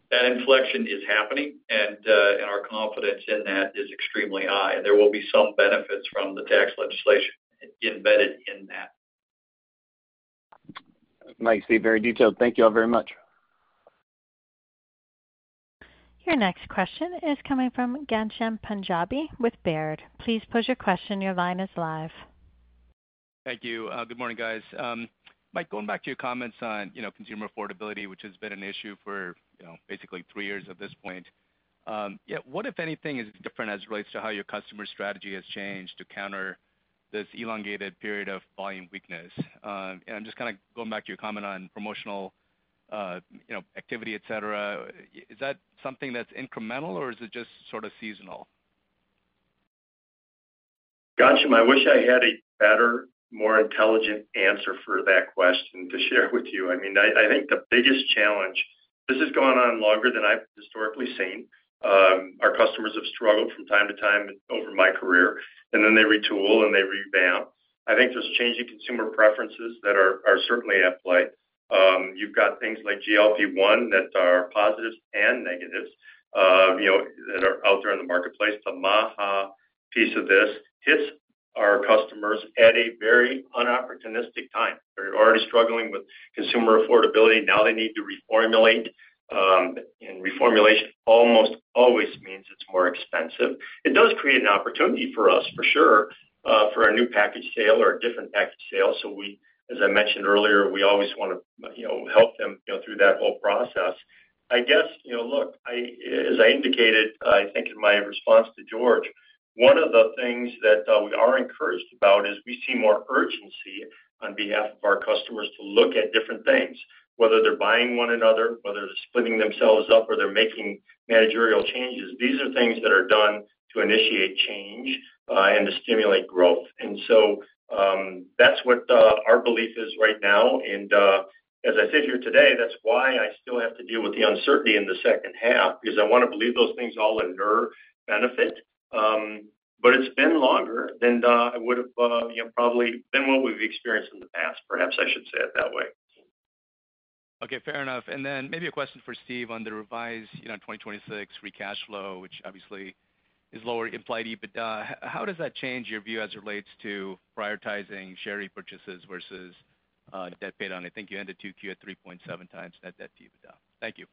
That inflection is happening and our confidence in that is extremely high. There will be some benefits from the tax legislation embedded in that. Mike, Steve, very detailed. Thank you all very much. Your next question is coming from Ghansham Panjabi with Baird. Please pose your question. Your line is live. Thank you. Good morning, guys. Mike, going back to your comments on. Consumer affordability, which has been an issue for basically three years at this point. What, if anything, is different as it is. Relates to how your customer strategy has changed to counter this elongated period of volume weakness? I'm just kind of going back to your comment on promotional activity, et cetera. Is that something that's incremental, or is it just sort of seasonal? Gotcha. I wish I had a better, more intelligent answer for that question to share with you. I think the biggest challenge, this has gone on longer than I've historically seen. Our customers have struggled from time to time over my career and then they retool and they revamp. I think there's changing consumer preferences that are certainly at play. You've got things like GLP1 that are positives and negatives that are out there in the marketplace. The MAHA piece of this hits our customers at a very unopportunistic time. They're already struggling with consumer affordability. Now they need to reformulate. Reformulation almost always means it's more expensive. It does create an opportunity for us for sure, for a new package sale or a different package sale. As I mentioned earlier, we always want to help them through that whole process, I guess. Look, as I indicated, I think in my response to George, one of the things that we are encouraged about is we see more urgency on behalf of our customers to look at different things, whether they're buying one another, whether they're splitting themselves up or they're making managerial changes. These are things that are done to initiate change and to stimulate growth. That's what our belief is right now. As I sit here today, that's why I still have to deal with the uncertainty in the second half, because I want to believe those things all in their benefit. It's been longer than I would have probably been what we've experienced in the past. Perhaps I should say it that way. Okay, fair enough. Maybe a question for Steve. On the revised 2026 free cash flow. Which obviously is lower implied EBITDA. Does that change your view as it? Relates to prioritizing share repurchases versus debt paid on. I think you ended 2Q at 3.7x. net debt to EBITDA. Thank you.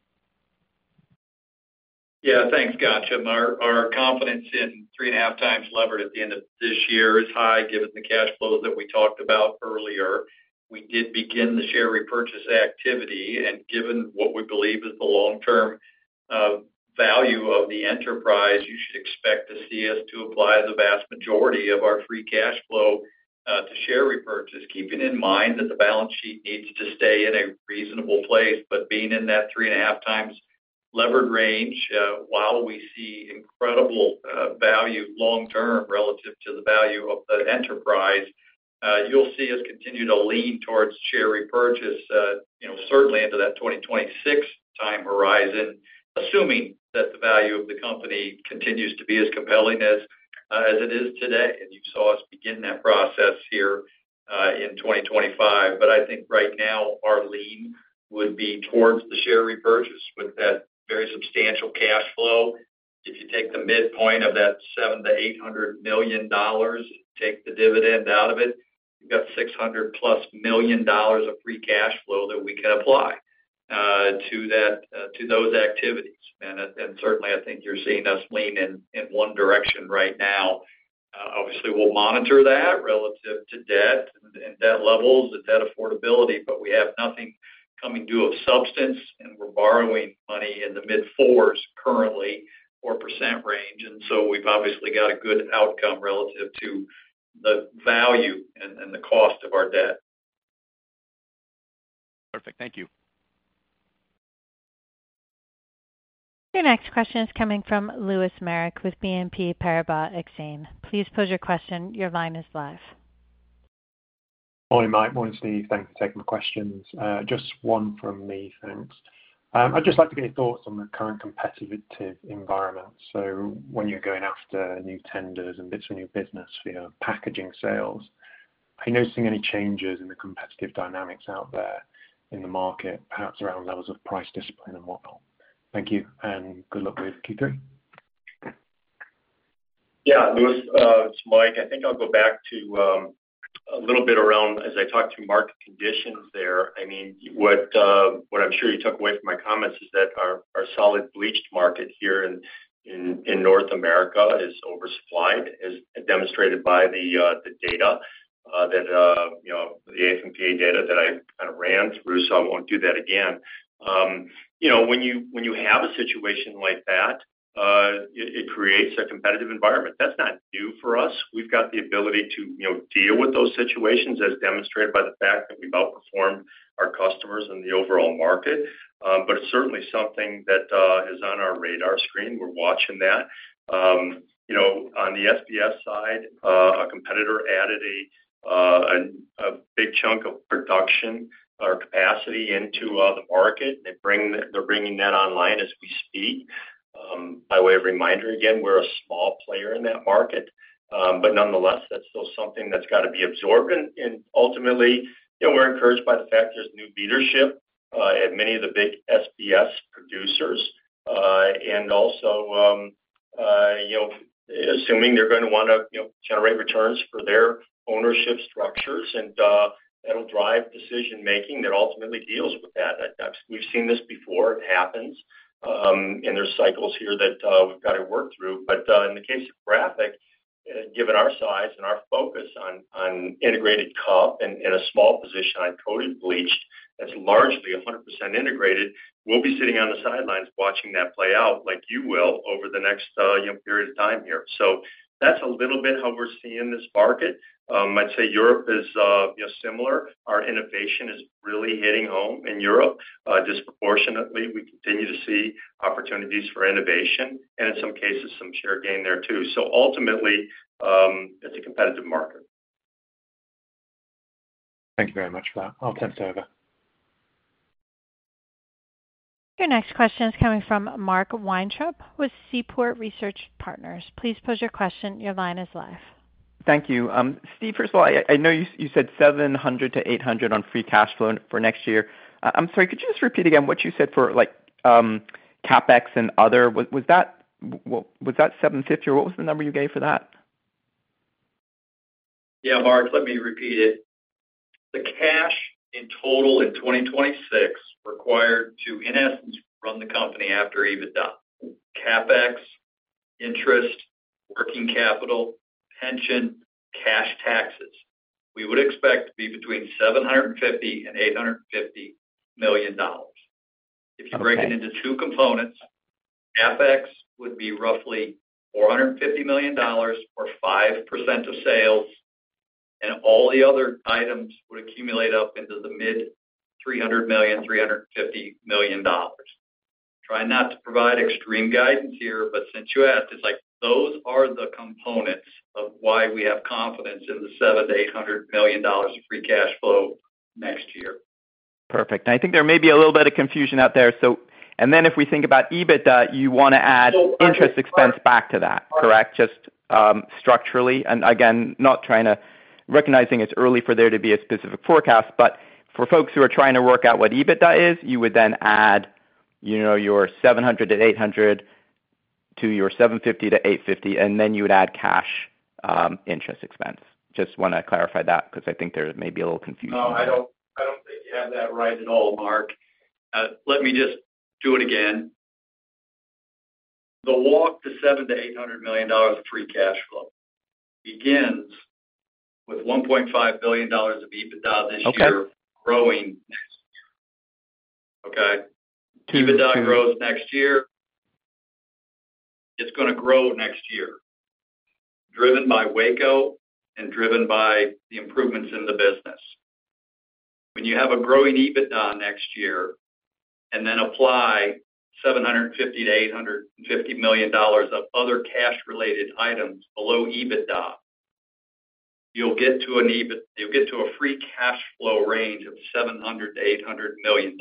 Yeah, thanks. Gotcha. Our confidence in 3.5x levered at the end of this year is high. Given the cash flows that we talked about earlier, we did begin the share repurchase activity, and given what we believe is the long term value of the enterprise, you should expect to see us apply the vast majority of our free cash flow to share repurchase, keeping in mind that the balance sheet needs to stay in a reasonable place. Being in that 3.5x levered range, while we see incredible value long term relative to the value of the enterprise, you'll see us continue to lean towards share repurchase, certainly into that 2026 time horizon, assuming that the value of the company continues to be as compelling as is. It is today, and you saw us. Begin that process here in 2025. I think right now our lean would be towards the share repurchase with that very substantial cash flow. If you take the midpoint of that $700-$800 million, take the dividend out of it, you've got $600+ million of free cash flow that we can apply to those activities. I think you're seeing us lean in one direction right now. Obviously, we'll monitor that relative to debt and debt levels and debt affordability. We have nothing coming due of substance and we're borrowing money in the mid 4s, currently 4% range. We've obviously got a good outcome relative to the value and the. Cost of our debt. Perfect, thank you. Your next question is coming from Lewis Merrick with BNP Paribas Exane. Please pose your question. Your line is live. Morning Mike. Morning, Steve. Thanks for taking the questions. Just one from me, thanks. I'd just like to get your thoughts on the current competitive environment. When you're going after new tenders and bits of new business for your packaging sales, are you noticing any changes in the competitive dynamics out there, the market perhaps, around levels of price discipline and whatnot? Thank you and good luck with Q3. Yeah, Lewis, it's Mike. I think I'll go back to a little bit around as I talk to market conditions there. What I'm sure you took away from my comments is that our solid bleached market here in North America is oversupplied, as demonstrated by the data that, you know, the [AF and PA] data that I kind of ran through. I won't do that again. When you have a situation like that, it creates a competitive environment. That's not new for us. We've got the ability to deal with those situations as demonstrated by the fact that we've outperformed our customers in the overall market. It's certainly something that is on our radar screen. We're watching that. On the SBS side, a competitor added a big chunk of production or capacity into the market. They're bringing that online as we speak by way of reminder. Again, we're a small player in that market, but nonetheless that's still something that's got to be absorbed. Ultimately, we're encouraged by the fact there's new leadership at many of the big SBS producers and also assuming they're going to want to generate returns for their ownership structures and that'll drive decision making that ultimately deals with that. We've seen this before, it happens and there are cycles here that we've got to work through. In of Graphic Packaging, given our size and our focus on integrated cup and a small position on coated bleached that's largely 100% integrated, we'll be sitting on the sidelines watching that play out like you will over the next period of time here. That's a little bit how we're seeing this market. I'd say Europe is similar. Our innovation is really hitting home in Europe disproportionately. We continue to see opportunities for innovation and in some cases some share gain there too. Ultimately, it's a competitive market. Thank you very much for that. I'll turn it over. Your next question is coming from Mark Weintraub with Seaport Research Partners. Please pose your question. Your line is live. Thank you, Steve. First of all, I know you said $700 million-$800 million on free cash flow for next year. I'm sorry, could you just repeat again what you said for CapEx and other, was that $750 million or what was the number you gave for that? Yeah, Mark, let me repeat it. The cash in total in 2026 required to in essence run the company, after EBITDA, CapEx, interest, working capital, pension, cash taxes, we would expect to be between $750 million and $850 million. If you break it into two components, CapEx would be roughly $450 million or 5% of sales, and all the other items would accumulate up into the mid $300 million-$350 million. I'm trying not to provide extreme guidance here, but since you asked, those are the components of why we have confidence in the $700 million-$800 million of free cash flow next year. Perfect. I think there may be a little bit of confusion out there. If we think about EBITDA, you want to add interest expense back to that. Correct. Just structurally. Not trying to, recognizing it's early for there to be a specific forecast, but for folks who are trying to work out what EBITDA is, you would then add your $700 million-$800 million to your $750 million-$850 million and then you would add cash interest expense. I just want to clarify that because I think there may be a little confusion. No, I don't think you have that right at all, Mark. Let me just do it again. The walk to $700 million-$800 million of free cash flow begins with $1.5 billion of EBITDA this year, growing next year. EBITDA grows next year. It's going to grow next year, driven by Waco and driven by the improvements in the business. When you have a growing EBITDA next year and then apply $750 million-$850 million of other cash related items below EBITDA, you'll get to a free cash flow range of $700 million-$800 million.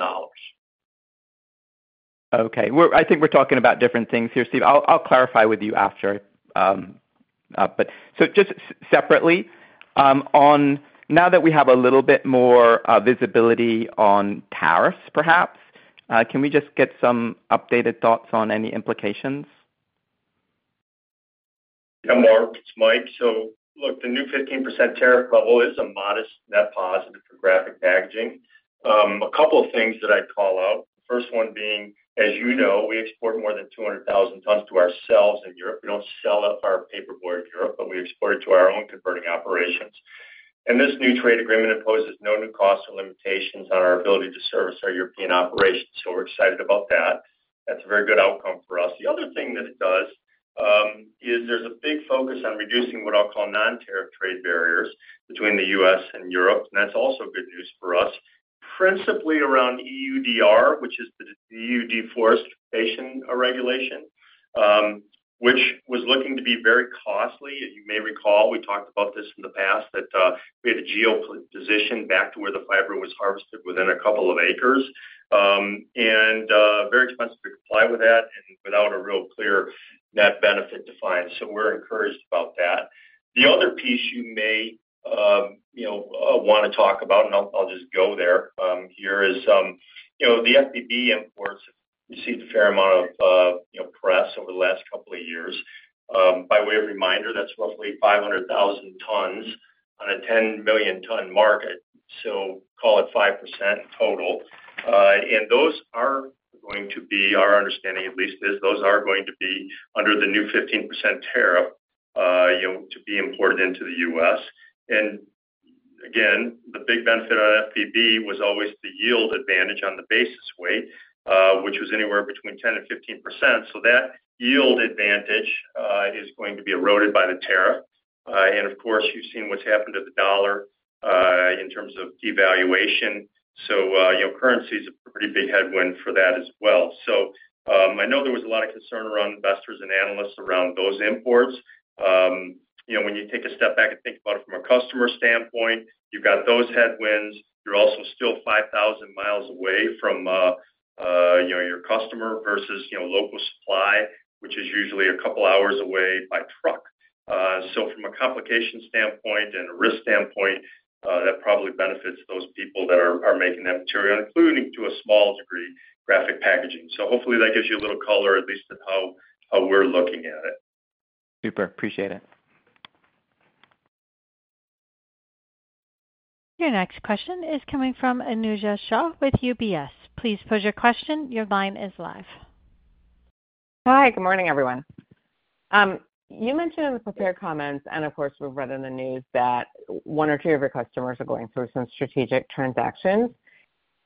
I think we're talking about different things here, Steve. I'll clarify with you after. Just separately, now that we have a little bit more visibility on tariffs, perhaps, can we just get some updated thoughts on any implications? Mark, it's Mike. The new 15% tariff level is a modest net Graphic Packaging. A couple of things that I'd call out. First one being, as you know, we export more than 200,000 tons to ourselves in Europe. We don't sell our paperboard in Europe, but we export it to our own converting operations. This new trade agreement imposes no new cost or limitations on our ability to service our European operations. We're excited about that. That's a very good outcome for us. The other thing that it does is there's a big focus on reducing what I'll call non-tariff trade barriers between the U.S. and Europe. That's also good news for us, principally around EUDR, which is the EU Deforestification Regulation, which was looking to be very costly. You may recall we talked about this in the past, that we had a geoposition back to where the fiber was harvested within a couple of acres and very expensive to comply with that and without a real clear net benefit defined. We're encouraged about that. The other piece you may want to talk about, and I'll just go there, is the FBB imports received a fair amount of press over the last couple of years. By way of reminder, that's roughly 500,000 tons on a 10 million ton market, so call it 5% total. Our understanding at least is those are going to be under the new 15% tariff to be imported into the U.S. The big benefit of FBB was always the yield advantage on the basis weight, which was anywhere between 10% and 15%. That yield advantage is going to be eroded by the tariff. Of course, you've seen what's happened to the dollar in terms of devaluation. Currency is a pretty big headwind for that as well. I know there was a lot of concern around investors and analysts around those imports. When you take a step back and think about it from a customer standpoint, you've got those headwinds. You're also still 5,000 mi away from your customer versus local supply, which is usually a couple hours away by truck. From a complication standpoint and a risk standpoint, that probably benefits those people that are making that material, including to a small degree Graphic Packaging. Hopefully that gives you a little color at least of how we're looking at it. Super. Appreciate it. Your next question is coming from Anojja Shah with UBS. Please pose your question. Your line is live. Hi, good morning everyone. You mentioned in the prepared comments, and of course we've read in the news. That one or two of your customers. Are going through some strategic transactions.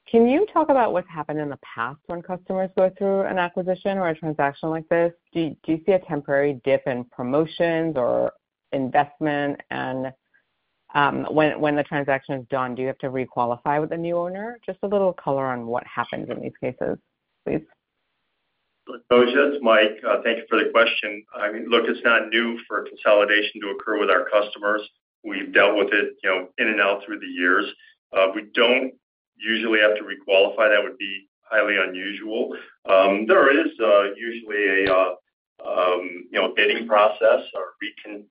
Can you talk about what's happened in the past? When customers go through an acquisition or a transaction like this, do you see? A temporary dip in promotions or investment? When the transaction is done, do you have to requalify with a new owner? Just a little color on what happens in these cases. Please. It's Mike. Thank you for the question. Look, it's not new for consolidation to occur with our customers. We've dealt with it in and out through the years. We don't usually have to requalify. That would be highly unusual. There is usually a bidding process or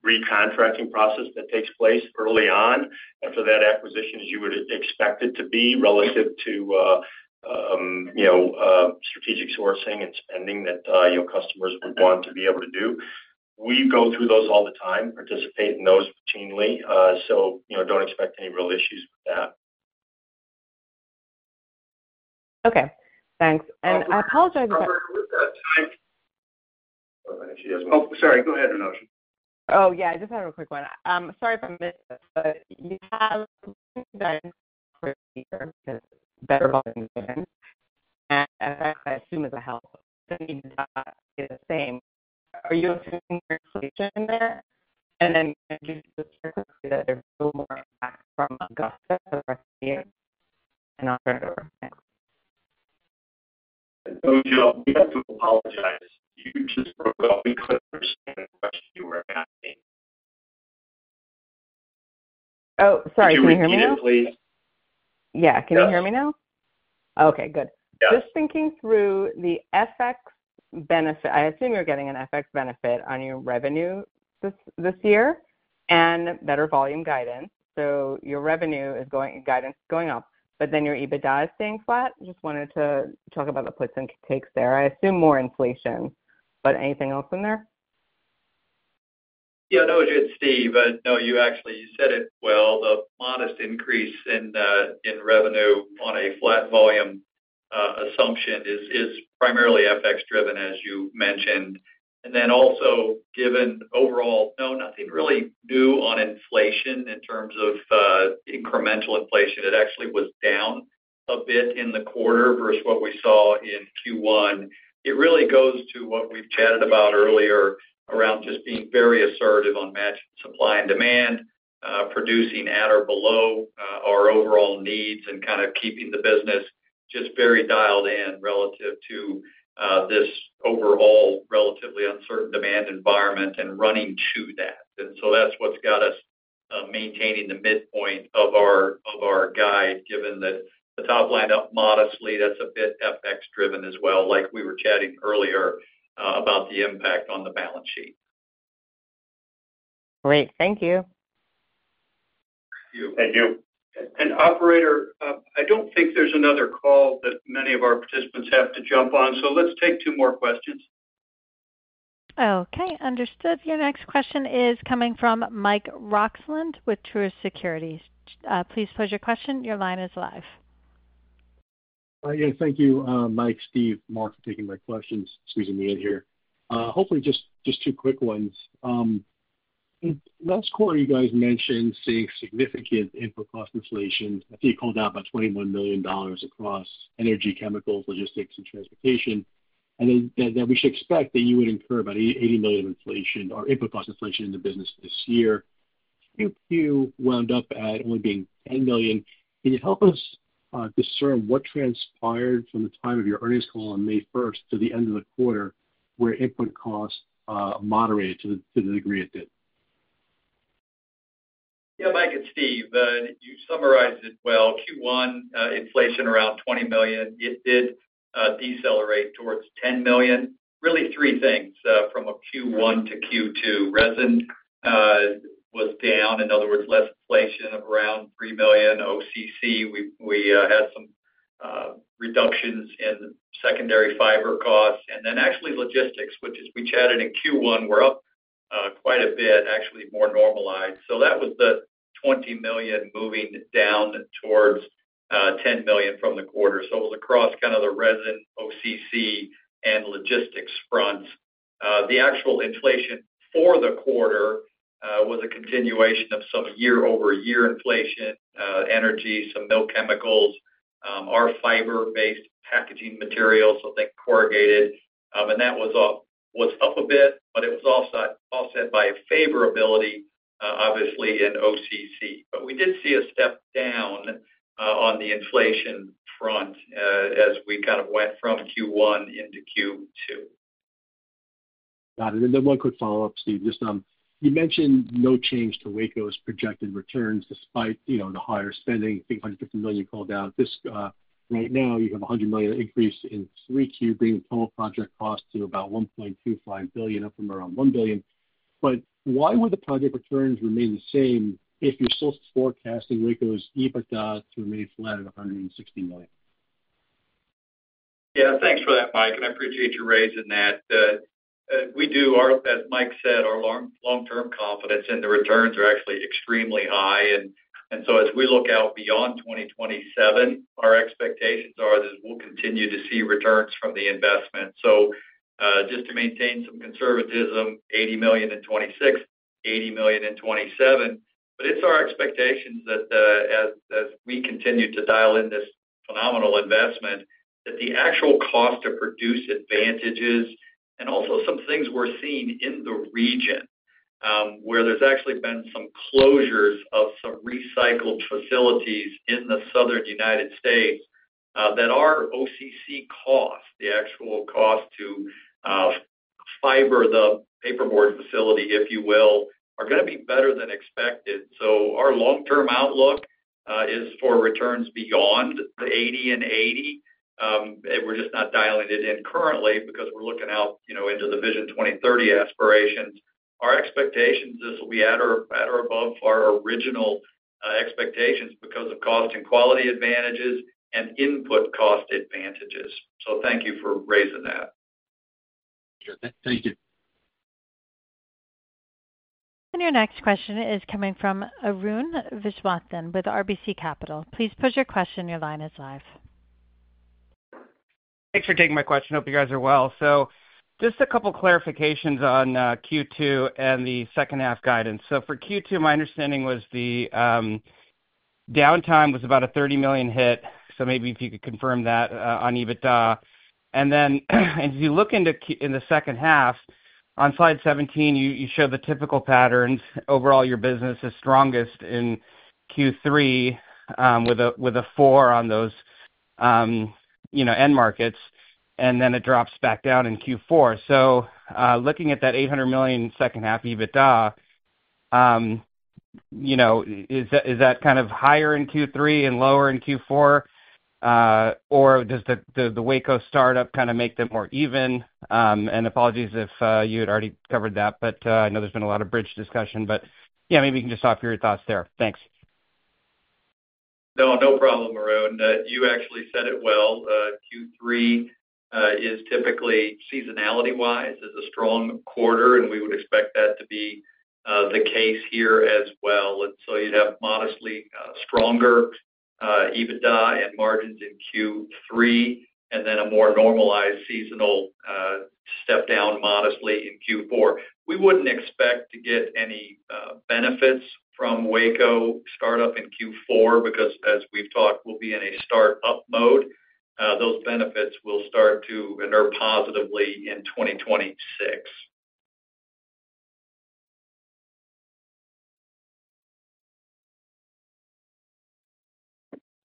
recontracting process that takes place early on after that acquisition, as you would expect it to be, relative to strategic sourcing and spending that customers would want to be able to do. We go through those all the time, participate in those routinely. You know, don't expect any real issues with that. Okay, thanks. I apologize. Oh, sorry. Go ahead. Oh, yeah, I just had a quick one. Sorry if I missed this, but you have. Better. I assume as a health. We have to apologize. You just broke up. We couldn't understand the question you were asking. Oh, sorry. Can you hear me, please? Yeah, can you hear me now? Okay, good. Just thinking through the FX benefit. I assume you're getting an FX benefit on your revenue this year and better volume guidance. Your revenue guidance is going up, but then your EBITDA is staying flat. I just wanted to talk about the puts and takes there. I assume more inflation, but anything else in there? Yeah, no, it's Steve. No, you actually said it well. The modest increase in revenue on a flat volume assumption is primarily FX driven, as you mentioned. Also, given overall, nothing really new on inflation in terms of incremental inflation, it actually was down a bit in the quarter versus what we saw in Q1. It really goes to what we've chatted about earlier around just being very assertive on matching supply and demand, producing at or below our overall needs, and kind of keeping the business just very dialed in relative to this overall relatively uncertain demand environment and running to that. That's what's got us maintaining the midpoint of our guide. Given that the top line up modestly, that's a bit FX driven as well, like we were chatting earlier about the impact on the balance sheet. Great, thank you. Thank you. Operator, I don't think there's another call that many of our participants have to jump on. Let's take two more questions. Okay, understood. Your next question is coming from Mike Roxland with Truist Securities. Please pose your question. Your line is live. Thank you, Mike, Steve, Mark, for taking my questions, squeezing me in here. Hopefully just two quick ones. Last quarter you guys mentioned seeing significant input cost inflation, I think called out about $21 million across energy, chemicals, logistics, and transportation. You said that we should expect that you would incur about $80 million of inflation or input cost inflation in the business this year. Q2 wound up at only being $10 million. Can you help us discern what transpired from the time of your earnings call on May 1st to the end of the quarter where input costs moderated to the degree it did? Yeah, Mike, it's Steve. You summarized it well. Q1 inflation around $20 million. It did decelerate towards $10 million. Really three things from a Q1 to Q2: resin was down, in other words less inflation of around $3 million; OCC, we had some reductions in secondary fiber costs; and then actually logistics, which as we chatted in Q1, were up quite a bit, actually more normalized. That was the $20 million moving down towards $10 million from the quarter. It was across the resin, OCC, and logistics fronts. The actual inflation for the quarter was a continuation of some year-over-year inflation. Energy, some chemicals, our fiber-based packaging material, so the corrugated, and that was up a bit. It was offset by favorability obviously in OCC. We did see a step down on the inflation front as we went from Q1 into Q2. Got it. One quick follow up. Steve, you mentioned no change to Waco's projected returns despite the higher spending. Right now you have $100 million increase in Q3 bringing total project cost to about $1.25 billion, up from around $1 billion. Why would the project returns remain the same if you're still forecasting Waco's EBITDA to remain flat at $160 million? Yeah, thanks for that, Mike, and I appreciate you raising that. We do, as Mike said, our long-term confidence and the returns are actually extremely high. As we look out beyond 2027, our expectations are that we'll continue to see returns from the investment. Just to maintain some conservatism, $80 million in 2026, $80 million in 2027. It's our expectations that as we continue to dial in this phenomenal investment, the actual cost to produce advantages and also some things we're seeing in the region where there's actually been some closures of some recycled facilities in the Southern United States, that our OCC cost, the actual cost to fiber the paperboard facility, if you will, are going to be better than expected. Our long-term outlook is for returns beyond the 80 and 80. We're just not dialing it in currently because we're looking out into the Vision 2030 aspirations. Our expectations are this will be at or above our original expectations because of cost and quality advantages and input cost advantages. Thank you for raising that. Thank you. Your next question is coming from Arun Viswanathan with RBC Capital. Please pose your question. Your line is live. Thanks for taking my question. Hope you guys are well. Just a couple clarifications on Q2 and the second half guidance. For Q2, my understanding was the downtime was about a $30 million hit. Maybe if you could confirm that on EBITDA, and then as you look into the second half on Slide 17. You show the typical patterns. Overall, your business is strongest in Q3 with a four on those end markets, and then it drops back down in Q4. Looking at that $800 million second half EBITDA, is that kind of higher in Q3 and lower in Q4, or does the Waco startup make them more even? Apologies if you had already covered that, but I know there's been a. Lot of bridge discussion, but maybe you. Can just offer your thoughts there. Thanks. No, no problem. Arun, you actually said it well. Q3 is typically, seasonality wise, a strong quarter and we would expect that to be the case here as well. You'd have modestly stronger EBITDA and margins in Q3, and then a more normalized seasonal step down modestly in Q4. We wouldn't expect to get any benefits from Waco startup in Q4 because, as we've talked, we'll be in a startup mode. Those benefits will start to inert positively in 2026.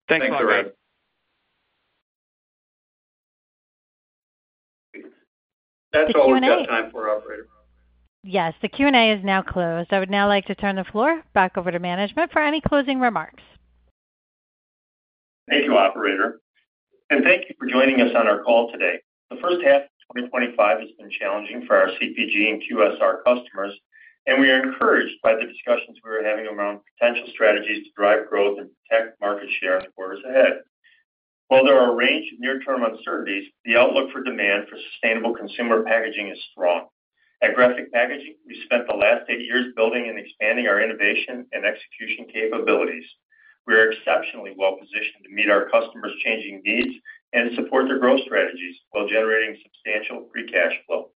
Thanks. That's all we've got time for. Operator. Yes, the Q&A is now closed. I would now like to turn the floor back over to management for any closing remarks. Thank you, operator, and thank you for joining us on our call today. The first half of 2025 has been challenging for our CPG and QSR customers, and we are encouraged by the discussions we are having around potential strategies to drive growth and protect market share in the quarters ahead. While there are a range of near-term uncertainties, the outlook for demand for sustainable consumer packaging is Graphic Packaging, we spent the last eight years building and expanding our innovation and execution capabilities. We are exceptionally well positioned to meet our customers' changing needs and support their growth strategies while generating substantial free cash flow.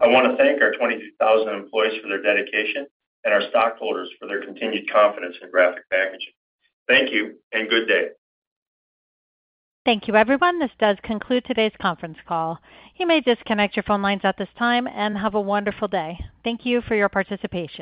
I want to thank our 22,000 employees for their dedication and our stockholders for their continued Graphic Packaging. Thank you and good day. Thank you everyone. This does conclude today's conference call. You may disconnect your phone lines at this time and have a wonderful day. Thank you for your participation.